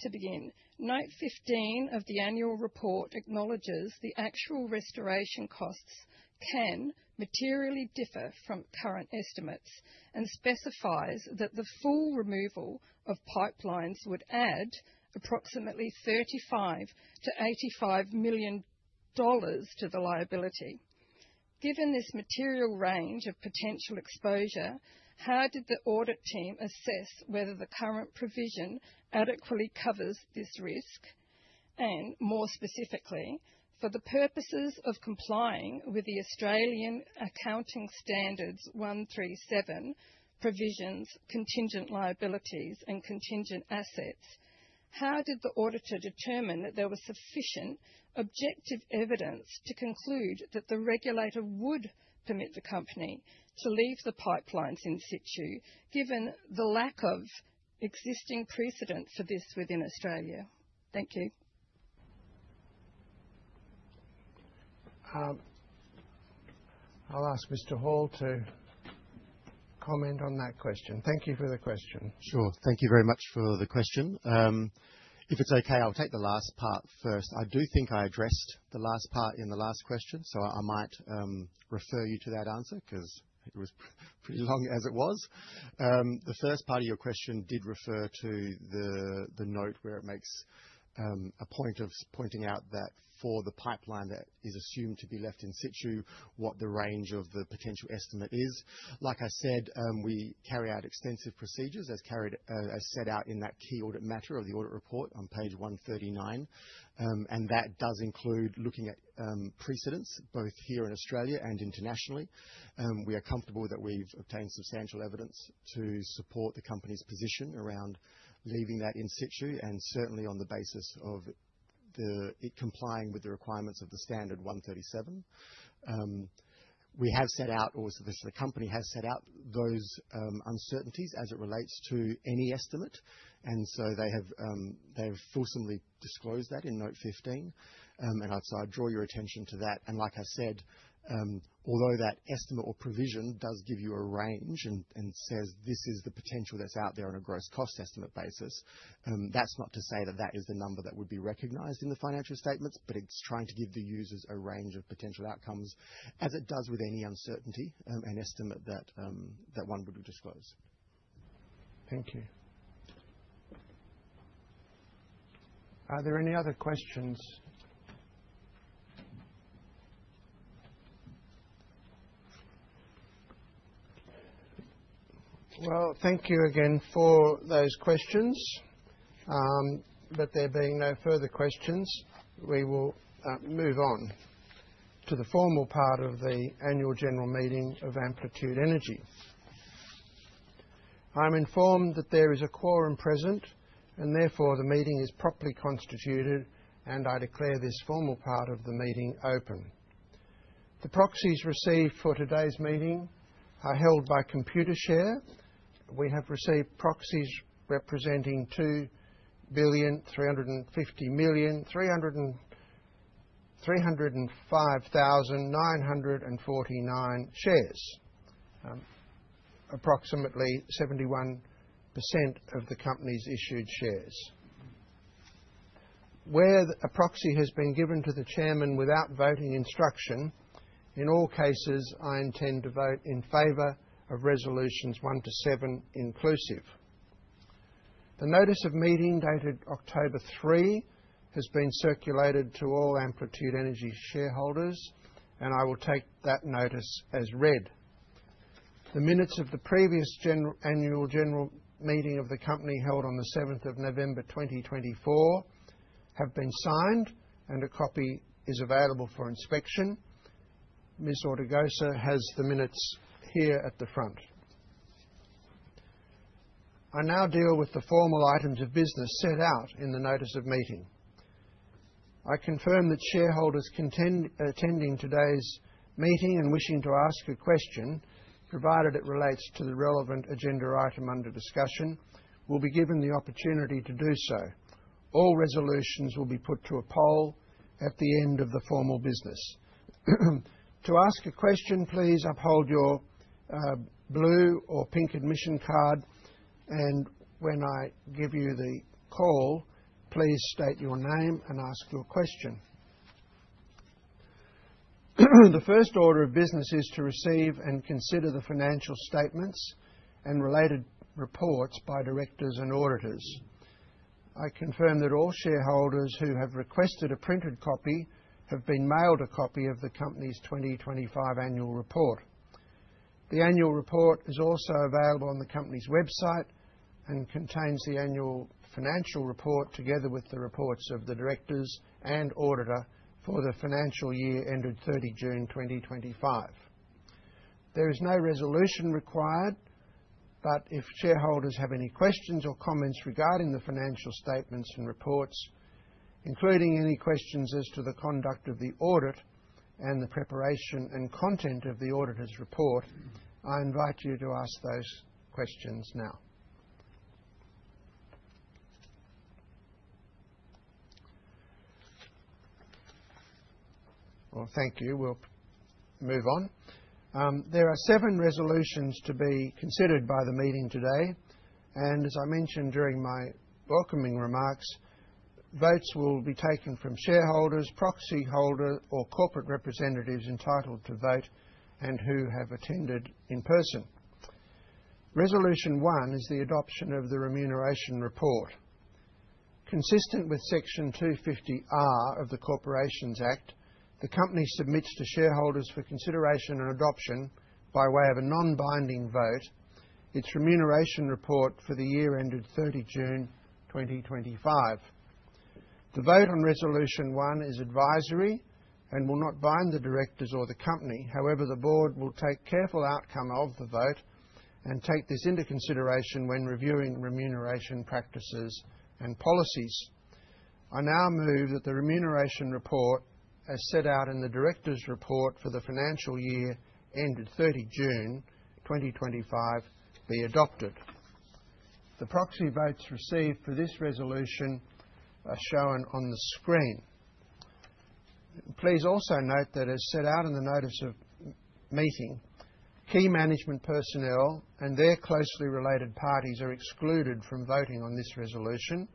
to begin, note 15 of the Annual Report acknowledges the actual restoration costs can materially differ from current estimates and specifies that the full removal of pipelines would add approximately 35 million-85 million dollars to the liability. Given this material range of potential exposure, how did the audit team assess whether the current provision adequately covers this risk? And more specifically, for the purposes of complying with the Australian Accounting Standards 137 provisions, contingent liabilities and contingent assets, how did the auditor determine that there was sufficient objective evidence to conclude that the regulator would permit the company to leave the pipelines in situ, given the lack of existing precedent for this within Australia? Thank you. I'll ask Mr. Hall to comment on that question. Thank you for the question. Sure. Thank you very much for the question. If it's okay, I'll take the last part first. I do think I addressed the last part in the last question, so I might refer you to that answer because it was pretty long as it was. The first part of your question did refer to the note where it makes a point of pointing out that for the pipeline that is assumed to be left in situ, what the range of the potential estimate is. Like I said, we carry out extensive procedures as set out in that key audit matter or the audit report on Page 139, and that does include looking at precedents both here in Australia and internationally. We are comfortable that we've obtained substantial evidence to support the company's position around leaving that in situ and certainly on the basis of it complying with the requirements of the standard 137. We have set out, or the company has set out, those uncertainties as it relates to any estimate, and so they have fulsomely disclosed that in note 15, and so I'd draw your attention to that. And like I said, although that estimate or provision does give you a range and says this is the potential that's out there on a gross cost estimate basis, that's not to say that that is the number that would be recognized in the financial statements, but it's trying to give the users a range of potential outcomes as it does with any uncertainty and estimate that one would disclose. Thank you. Are there any other questions? Well, thank you again for those questions. But there being no further questions, we will move on to the formal part of the Annual General Meeting of Amplitude Energy. I'm informed that there is a quorum present, and therefore the meeting is properly constituted, and I declare this formal part of the meeting open. The proxies received for today's meeting are held by Computershare. We have received proxies representing 2,350,305,949 shares, approximately 71% of the company's issued shares. Where a proxy has been given to the chairman without voting instruction, in all cases, I intend to vote in favor of resolutions one to seven inclusive. The Notice of Meeting dated October 3 has been circulated to all Amplitude Energy shareholders, and I will take that notice as read. The minutes of the previous annual general meeting of the company held on the 7th of November 2024 have been signed, and a copy is available for inspection. Ms. Ortigosa has the minutes here at the front. I now deal with the formal items of business set out in the Notice of Meeting. I confirm that shareholders attending today's meeting and wishing to ask a question, provided it relates to the relevant agenda item under discussion, will be given the opportunity to do so. All resolutions will be put to a poll at the end of the formal business. To ask a question, please uphold your blue or pink admission card, and when I give you the call, please state your name and ask your question. The first order of business is to receive and consider the financial statements and related reports by directors and auditors. I confirm that all shareholders who have requested a printed copy have been mailed a copy of the company's 2025 Annual Report. The Annual Report is also available on the company's website and contains the annual financial report together with the reports of the directors and auditor for the financial year ended 30 June 2025. There is no resolution required, but if shareholders have any questions or comments regarding the financial statements and reports, including any questions as to the conduct of the audit and the preparation and content of the auditor's report, I invite you to ask those questions now. Well, thank you. We'll move on. There are seven resolutions to be considered by the meeting today, and as I mentioned during my welcoming remarks, votes will be taken from shareholders, proxy holder, or corporate representatives entitled to vote and who have attended in person. Resolution one is the adoption of the Remuneration Report. Consistent with section 250R of the Corporations Act, the company submits to shareholders for consideration and adoption by way of a non-binding vote its Remuneration Report for the year ended 30 June 2025. The vote on resolution one is advisory and will not bind the directors or the company. However, the board will take careful note of the outcome of the vote and take this into consideration when reviewing remuneration practices and policies. I now move that the Remuneration Report as set out in the Directors' Report for the financial year ended 30 June 2025 be adopted. The proxy votes received for this resolution are shown on the screen. Please also note that as set out in the Notice of Meeting, key management personnel and their closely related parties are excluded from voting on this resolution.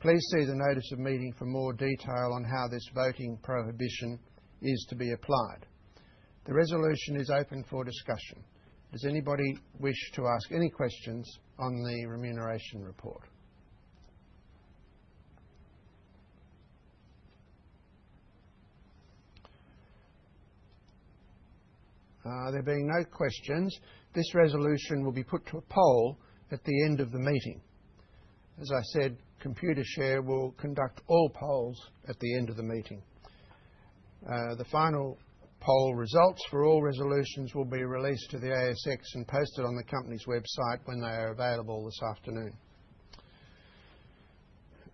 Please see the Notice of Meeting for more detail on how this voting prohibition is to be applied. The resolution is open for discussion. Does anybody wish to ask any questions on the Remuneration Report? There being no questions, this resolution will be put to a poll at the end of the meeting. As I said, Computershare will conduct all polls at the end of the meeting. The final poll results for all resolutions will be released to the ASX and posted on the company's website when they are available this afternoon.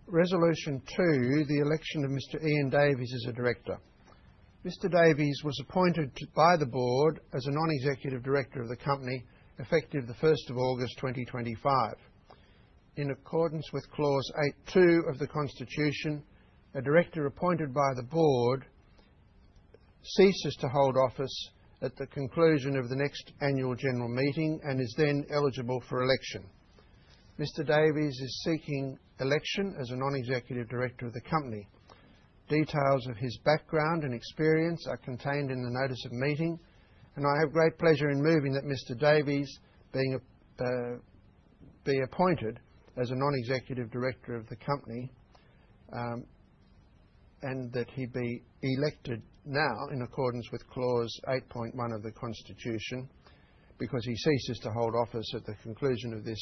Resolution two, the election of Mr. Ian Davies as a director. Mr. Davies was appointed by the board as a non-executive director of the company effective the 1st of August 2025. In accordance with clause 8.2 of the Constitution, a director appointed by the board ceases to hold office at the conclusion of the next annual general meeting and is then eligible for election. Mr. Davies is seeking election as a non-executive director of the company. Details of his background and experience are contained in the Notice of Meeting, and I have great pleasure in moving that Mr. Davies be appointed as a non-executive director of the company and that he be elected now in accordance with clause 8.1 of the Constitution because he ceases to hold office at the conclusion of this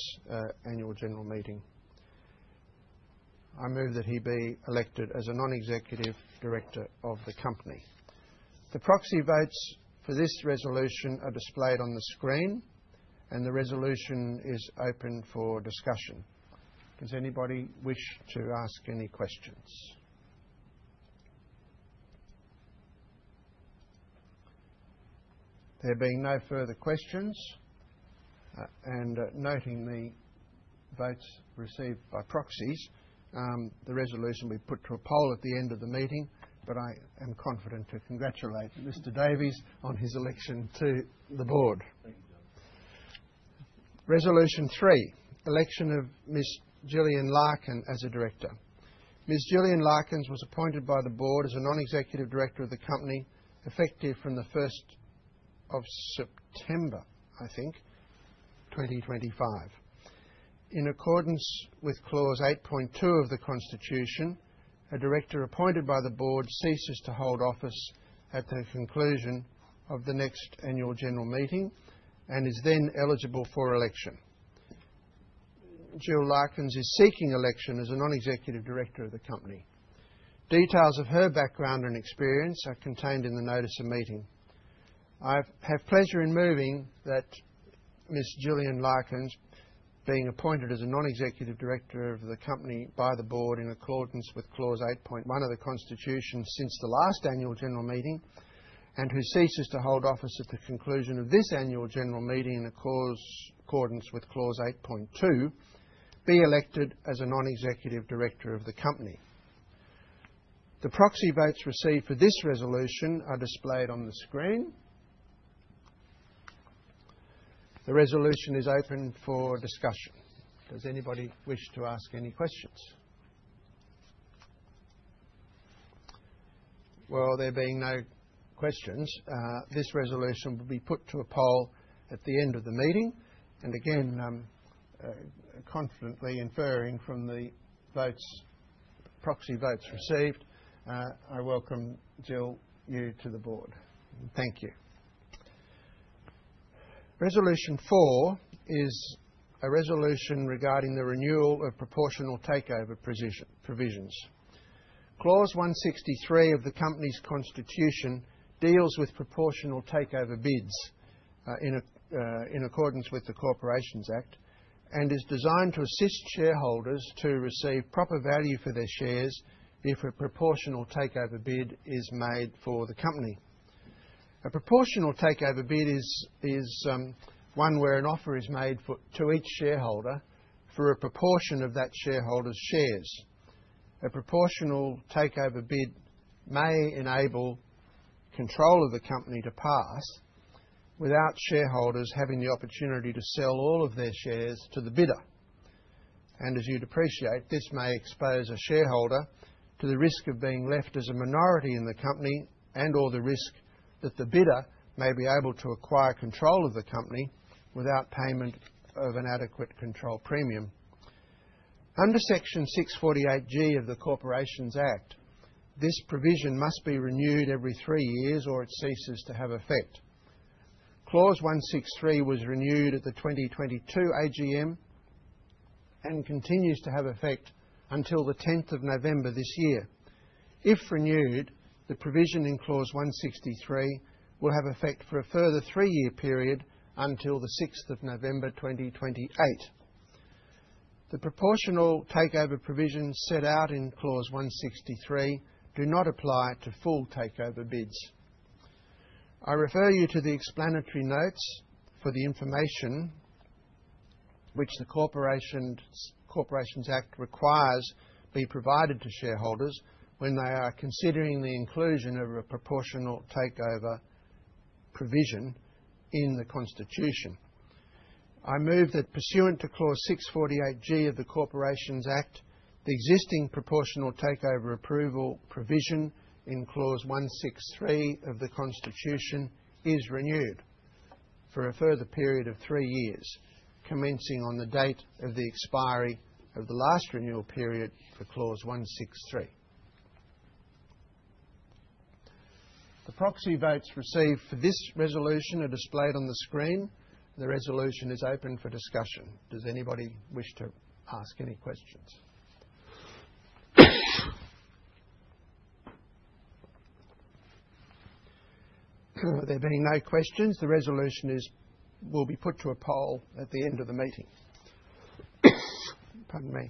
Annual General Meeting. I move that he be elected as a non-executive director of the company. The proxy votes for this resolution are displayed on the screen, and the resolution is open for discussion. Does anybody wish to ask any questions? There being no further questions and noting the votes received by proxies, the resolution will be put to a poll at the end of the meeting, but I am confident to congratulate Mr. Davies on his election to the board. Thank you, John. Resolution three, election of Ms. Gillian Larkins as a director. Ms. Gillian Larkins was appointed by the board as a non-executive director of the company effective from the 1st of September, I think, 2025. In accordance with clause 8.2 of the Constitution, a director appointed by the board ceases to hold office at the conclusion of the next annual general meeting and is then eligible for election. Jill Larkins is seeking election as a non-executive director of the company. Details of her background and experience are contained in the Notice of Meeting. I have pleasure in moving that Ms. Gillian Larkins, being appointed as a non-executive director of the company by the board in accordance with clause 8.1 of the Constitution since the last annual general meeting and who ceases to hold office at the conclusion of this annual general meeting in accordance with clause 8.2, be elected as a non-executive director of the company. The proxy votes received for this resolution are displayed on the screen. The resolution is open for discussion. Does anybody wish to ask any questions? There being no questions, this resolution will be put to a poll at the end of the meeting. Again, confidently inferring from the proxy votes received, I welcome Jill, you to the board. Thank you. Resolution four is a resolution regarding the renewal of proportional takeover provisions. Clause 163 of the company's Constitution deals with proportional takeover bids in accordance with the Corporations Act and is designed to assist shareholders to receive proper value for their shares if a proportional takeover bid is made for the company. A proportional takeover bid is one where an offer is made to each shareholder for a proportion of that shareholder's shares. A proportional takeover bid may enable control of the company to pass without shareholders having the opportunity to sell all of their shares to the bidder, and as you'd appreciate, this may expose a shareholder to the risk of being left as a minority in the company and/or the risk that the bidder may be able to acquire control of the company without payment of an adequate control premium. Under section 648G of the Corporations Act, this provision must be renewed every three years or it ceases to have effect. Clause 163 was renewed at the 2022 AGM and continues to have effect until the 10th of November this year. If renewed, the provision in clause 163 will have effect for a further three-year period until the 6th of November 2028. The proportional takeover provisions set out in clause 163 do not apply to full takeover bids. I refer you to the explanatory notes for the information which the Corporations Act requires be provided to shareholders when they are considering the inclusion of a proportional takeover provision in the Constitution. I move that pursuant to clause 648G of the Corporations Act, the existing proportional takeover approval provision in clause 163 of the Constitution is renewed for a further period of three years commencing on the date of the expiry of the last renewal period for clause 163. The proxy votes received for this resolution are displayed on the screen. The resolution is open for discussion. Does anybody wish to ask any questions? There being no questions, the resolution will be put to a poll at the end of the meeting. Pardon me.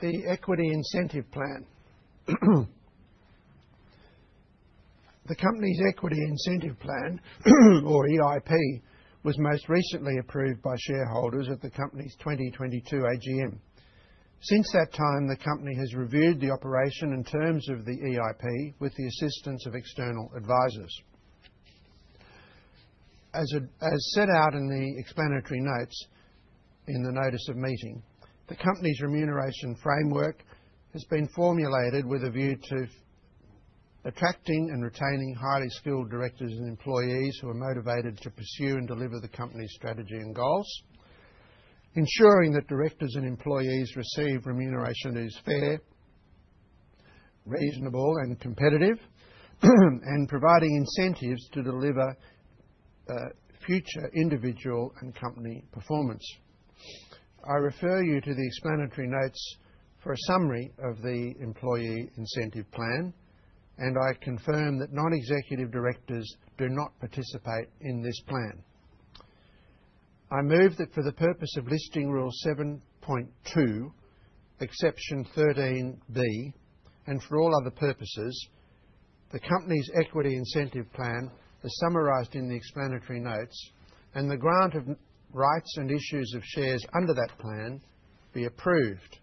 The Equity Incentive Plan. The company's Equity Incentive Plan, or EIP, was most recently approved by shareholders at the company's 2022 AGM. Since that time, the company has reviewed the remuneration in terms of the EIP with the assistance of external advisors. As set out in the explanatory notes in the Notice of Meeting, the company's remuneration framework has been formulated with a view to attracting and retaining highly skilled directors and employees who are motivated to pursue and deliver the company's strategy and goals, ensuring that directors and employees receive remuneration that is fair, reasonable, and competitive, and providing incentives to deliver future individual and company performance. I refer you to the explanatory notes for a summary of the Equity Incentive Plan, and I confirm that non-executive directors do not participate in this plan. I move that for the purpose of Listing Rule 7.2, Exception 13(b), and for all other purposes, the company's Equity Incentive Plan as summarized in the explanatory notes and the grant of rights and issues of shares under that plan be approved.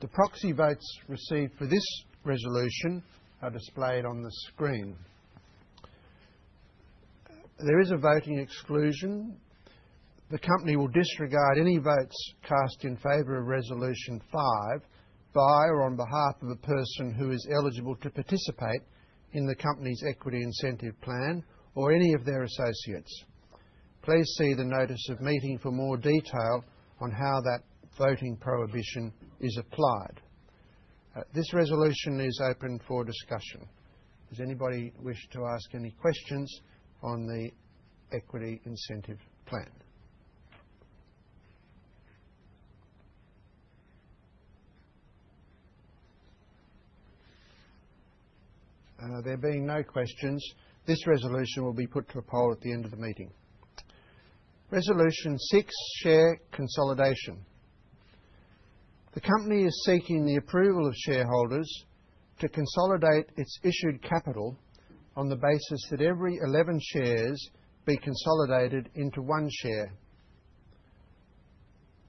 The proxy votes received for this resolution are displayed on the screen. There is a voting exclusion. The company will disregard any votes cast in favor of resolution five by or on behalf of a person who is eligible to participate in the company's Equity Incentive Plan or any of their associates. Please see the Notice of Meeting for more detail on how that voting exclusion is applied. This resolution is open for discussion. Does anybody wish to ask any questions on the Equity Incentive Plan? There being no questions, this resolution will be put to a poll at the end of the meeting. Resolution six, share consolidation. The company is seeking the approval of shareholders to consolidate its issued capital on the basis that every 11 shares be consolidated into one share.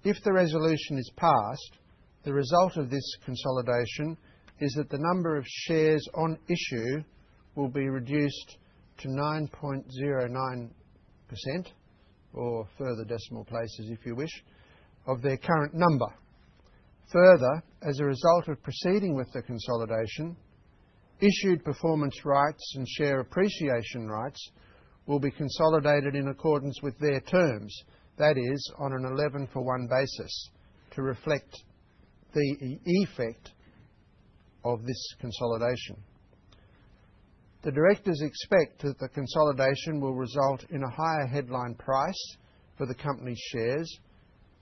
If the resolution is passed, the result of this consolidation is that the number of shares on issue will be reduced to 9.09% or further decimal places if you wish of their current number. Further, as a result of proceeding with the consolidation, issued performance rights and share appreciation rights will be consolidated in accordance with their terms, that is, on an 11 for 1 basis to reflect the effect of this consolidation. The directors expect that the consolidation will result in a higher headline price for the company's shares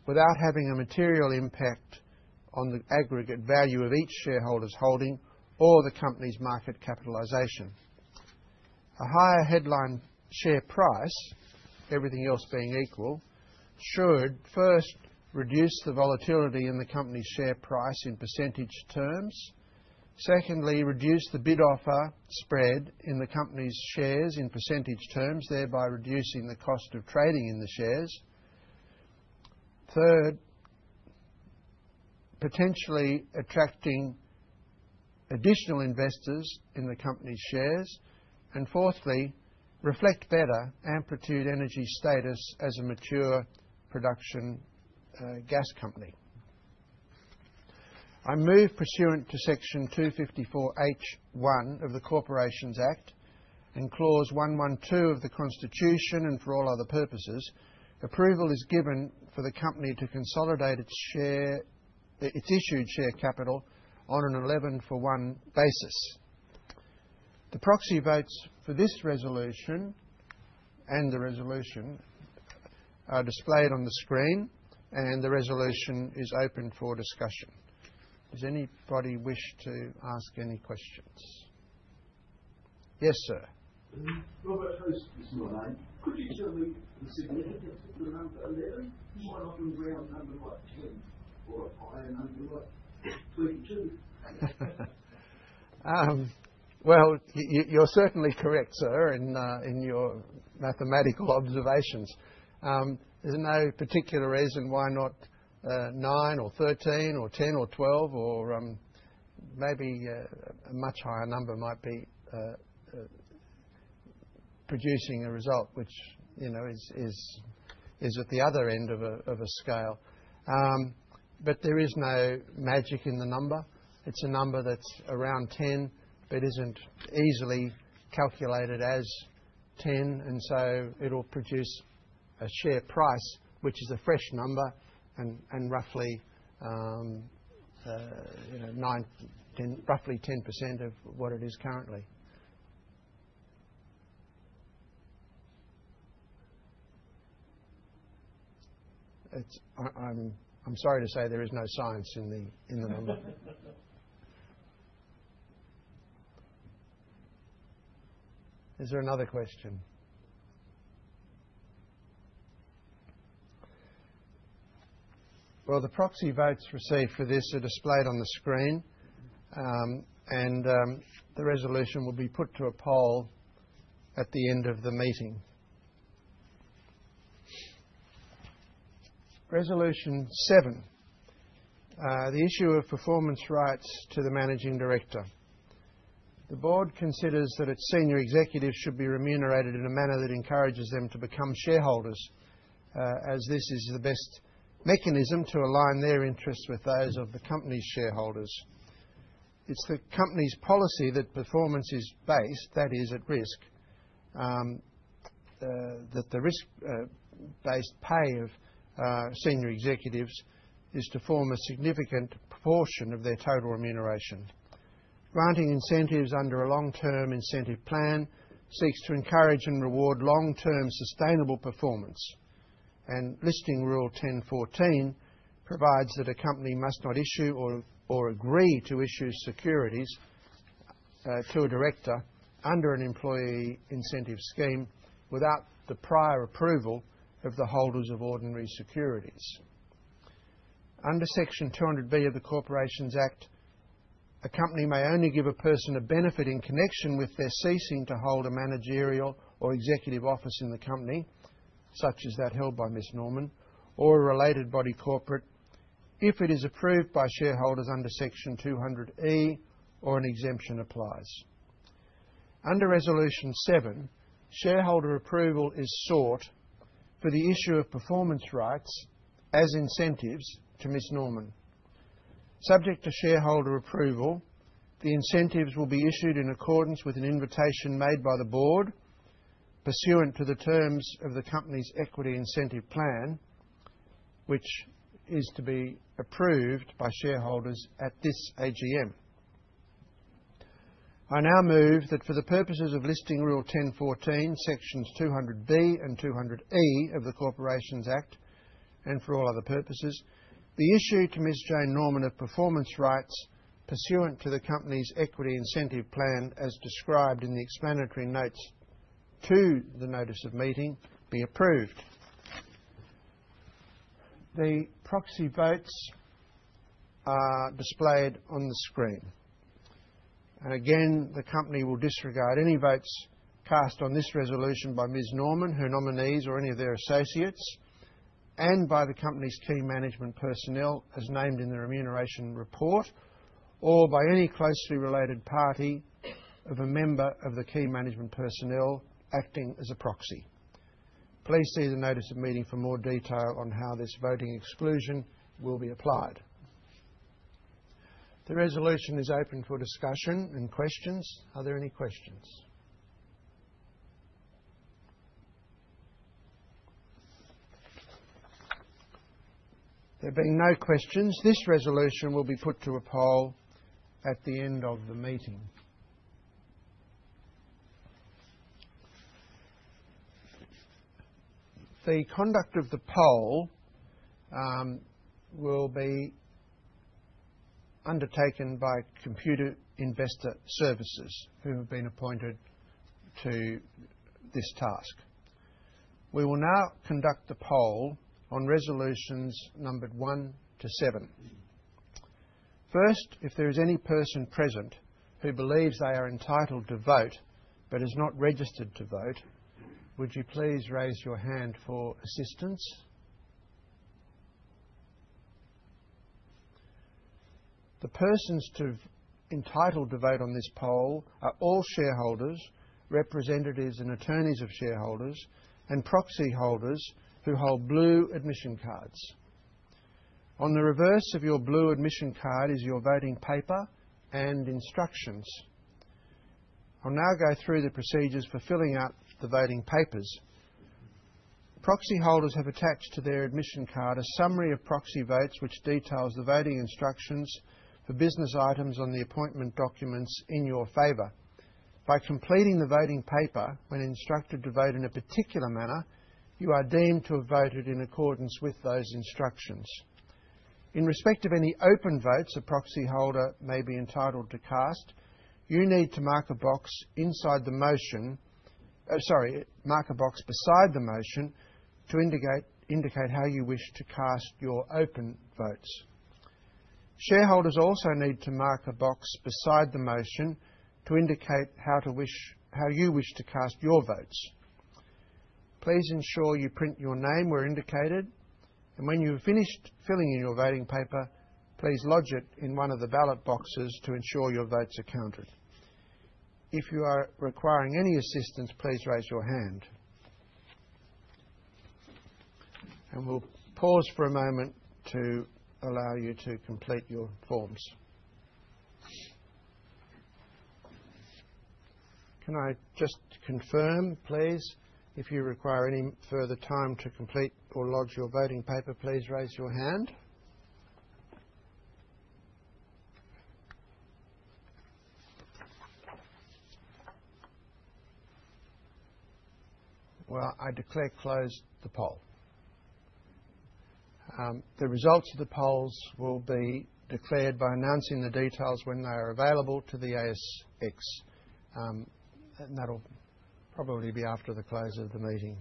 without having a material impact on the aggregate value of each shareholder's holding or the company's market capitalization. A higher headline share price, everything else being equal, should first reduce the volatility in the company's share price in percentage terms. Secondly, reduce the bid-offer spread in the company's shares in percentage terms, thereby reducing the cost of trading in the shares. Third, potentially attracting additional investors in the company's shares. And fourthly, reflect better Amplitude Energy's status as a mature production gas company. I move pursuant to section 254H(1) of the Corporations Act and clause 112 of the Constitution and for all other purposes, approval is given for the company to consolidate its issued share capital on an 11 for 1 basis. The proxy votes for this resolution and the resolution are displayed on the screen, and the resolution is open for discussion. Does anybody wish to ask any questions? Yes, sir. Robert Host is my name. Could you tell me the significance of the number 11?Why not an 11-1 or a 10 or a higher number like 22? You're certainly correct, sir, in your mathematical observations. There's no particular reason why not nine or 13 or 10 or 12 or maybe a much higher number might be producing a result which is at the other end of a scale. But there is no magic in the number. It's a number that's around 10 but isn't easily calculated as 10, and so it'll produce a share price which is a fresh number and roughly 10x what it is currently. I'm sorry to say there is no science in the number. Is there another question? The proxy votes received for this are displayed on the screen, and the resolution will be put to a poll at the end of the meeting. Resolution seven, the issue of performance rights to the Managing Director. The board considers that its senior executives should be remunerated in a manner that encourages them to become shareholders, as this is the best mechanism to align their interests with those of the company's shareholders. It's the company's policy that performance is based, that is, at risk, that the risk-based pay of senior executives is to form a significant proportion of their total remuneration. Granting incentives under a long-term incentive plan seeks to encourage and reward long-term sustainable performance. And Listing Rule 10.14 provides that a company must not issue or agree to issue securities to a director under an employee incentive scheme without the prior approval of the holders of ordinary securities. Under section 200B of the Corporations Act, a company may only give a person a benefit in connection with their ceasing to hold a managerial or executive office in the company, such as that held by Ms. Norman, or a related body corporate if it is approved by shareholders under section 200E or an exemption applies. Under resolution seven, shareholder approval is sought for the issue of performance rights as incentives to Ms. Norman. Subject to shareholder approval, the incentives will be issued in accordance with an invitation made by the board pursuant to the terms of the company's Equity Incentive Plan, which is to be approved by shareholders at this AGM. I now move that for the purposes of Listing Rule 10.14, sections 200B and 200E of the Corporations Act and for all other purposes, the issue to Ms. Jane Norman of performance rights pursuant to the company's Equity Incentive Plan as described in the explanatory notes to the Notice of Meeting be approved. The proxy votes are displayed on the screen. And again, the company will disregard any votes cast on this resolution by Ms. Norman, her nominees, or any of their associates, and by the company's key management personnel as named in the Remuneration Report, or by any closely related party of a member of the key management personnel acting as a proxy. Please see the Notice of Meeting for more detail on how this voting exclusion will be applied. The resolution is open for discussion and questions. Are there any questions? There being no questions, this resolution will be put to a poll at the end of the meeting. The conduct of the poll will be undertaken by Computershare, who have been appointed to this task. We will now conduct the poll on resolutions numbered one to seven. First, if there is any person present who believes they are entitled to vote but is not registered to vote, would you please raise your hand for assistance? The persons entitled to vote on this poll are all shareholders, representatives and attorneys of shareholders, and proxy holders who hold blue admission cards. On the reverse of your blue admission card is your voting paper and instructions. I'll now go through the procedures for filling out the voting papers. Proxy holders have attached to their admission card a summary of proxy votes which details the voting instructions for business items on the appointment documents in your favor. By completing the voting paper when instructed to vote in a particular manner, you are deemed to have voted in accordance with those instructions. In respect of any open votes a proxy holder may be entitled to cast, you need to mark a box inside the motion sorry, mark a box beside the motion to indicate how you wish to cast your open votes. Shareholders also need to mark a box beside the motion to indicate how you wish to cast your votes. Please ensure you print your name where indicated, and when you've finished filling in your voting paper, please lodge it in one of the ballot boxes to ensure your votes are counted. If you are requiring any assistance, please raise your hand. And we'll pause for a moment to allow you to complete your forms. Can I just confirm, please? If you require any further time to complete or lodge your voting paper, please raise your hand. Well, I declare closed the poll. The results of the polls will be declared by announcing the details when they are available to the ASX, and that'll probably be after the close of the meeting.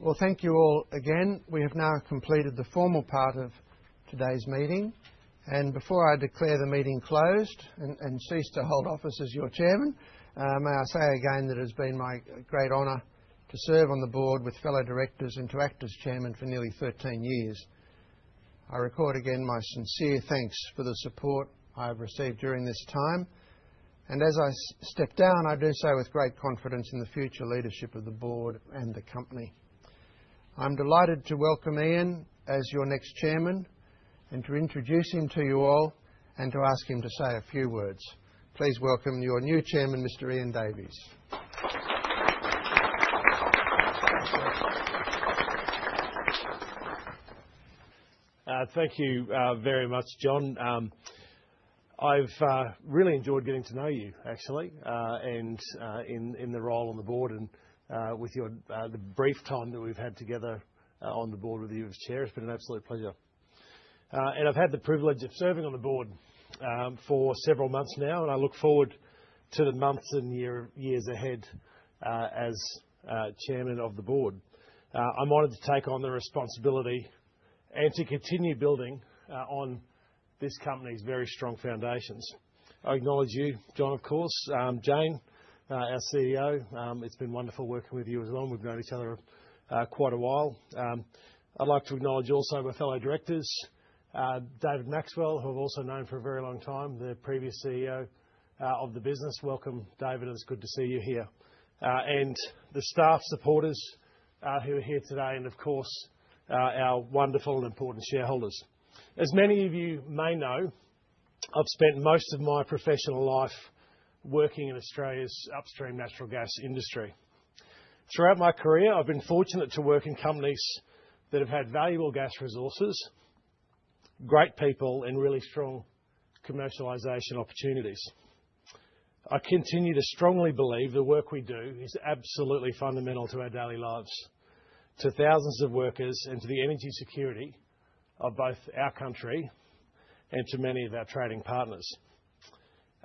Well, thank you all again. We have now completed the formal part of today's meeting. Before I declare the meeting closed and cease to hold office as your chairman, may I say again that it has been my great honor to serve on the board with fellow directors and to act as chairman for nearly 13 years. I record again my sincere thanks for the support I have received during this time. As I step down, I do so with great confidence in the future leadership of the board and the company. I'm delighted to welcome Ian as your next chairman and to introduce him to you all and to ask him to say a few words. Please welcome your new chairman, Mr. Ian Davies. Thank you very much, John. I've really enjoyed getting to know you, actually, and in the role on the board and with the brief time that we've had together on the board with you as chair.It's been an absolute pleasure, and I've had the privilege of serving on the board for several months now, and I look forward to the months and years ahead as chairman of the board. I'm honored to take on the responsibility and to continue building on this company's very strong foundations. I acknowledge you, John, of course, Jane, our CEO. It's been wonderful working with you as well. We've known each other quite a while. I'd like to acknowledge also my fellow directors, David Maxwell, who I've also known for a very long time, the previous CEO of the business. Welcome, David, and it's good to see you here, and the staff supporters who are here today and, of course, our wonderful and important shareholders. As many of you may know, I've spent most of my professional life working in Australia's upstream natural gas industry. Throughout my career, I've been fortunate to work in companies that have had valuable gas resources, great people, and really strong commercialization opportunities. I continue to strongly believe the work we do is absolutely fundamental to our daily lives, to thousands of workers, and to the energy security of both our country and to many of our trading partners.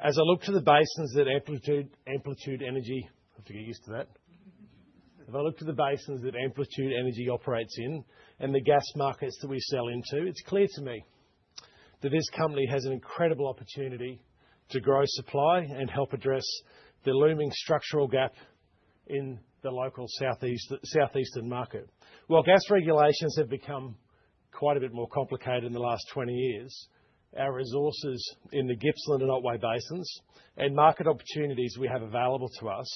As I look to the basins that Amplitude Energy, I have to get used to that. As I look to the basins that Amplitude Energy operates in and the gas markets that we sell into, it's clear to me that this company has an incredible opportunity to grow supply and help address the looming structural gap in the local southeastern market. While gas regulations have become quite a bit more complicated in the last 20 years, our resources in the Gippsland and Otway Basins and market opportunities we have available to us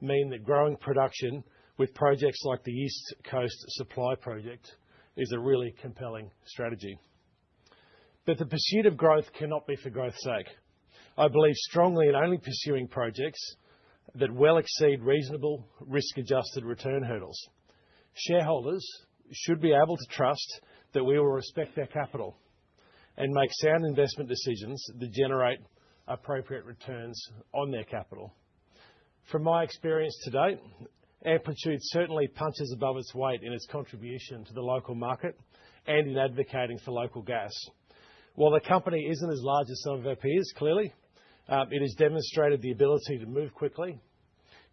mean that growing production with projects like the East Coast Supply Project is a really compelling strategy. But the pursuit of growth cannot be for growth's sake. I believe strongly in only pursuing projects that well exceed reasonable risk-adjusted return hurdles. Shareholders should be able to trust that we will respect their capital and make sound investment decisions that generate appropriate returns on their capital. From my experience to date, Amplitude certainly punches above its weight in its contribution to the local market and in advocating for local gas. While the company isn't as large as some of our peers, clearly, it has demonstrated the ability to move quickly,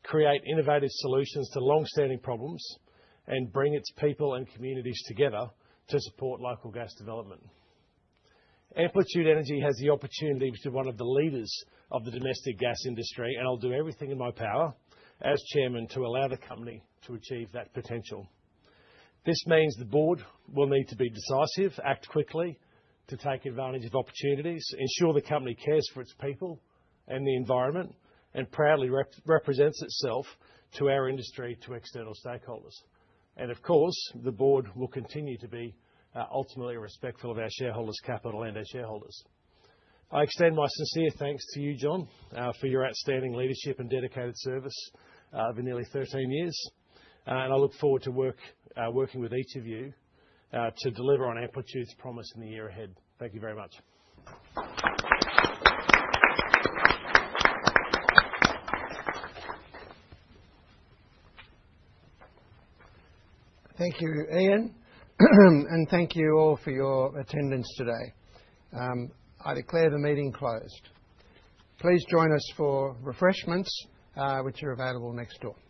create innovative solutions to long-standing problems, and bring its people and communities together to support local gas development. Amplitude Energy has the opportunity to be one of the leaders of the domestic gas industry, and I'll do everything in my power as chairman to allow the company to achieve that potential. This means the board will need to be decisive, act quickly to take advantage of opportunities, ensure the company cares for its people and the environment, and proudly represents itself to our industry, to external stakeholders. And of course, the board will continue to be ultimately respectful of our shareholders' capital and our shareholders. I extend my sincere thanks to you, John, for your outstanding leadership and dedicated service over nearly 13 years.I look forward to working with each of you to deliver on Amplitude's promise in the year ahead. Thank you very much. Thank you, Ian. Thank you all for your attendance today. I declare the meeting closed. Please join us for refreshments, which are available next door.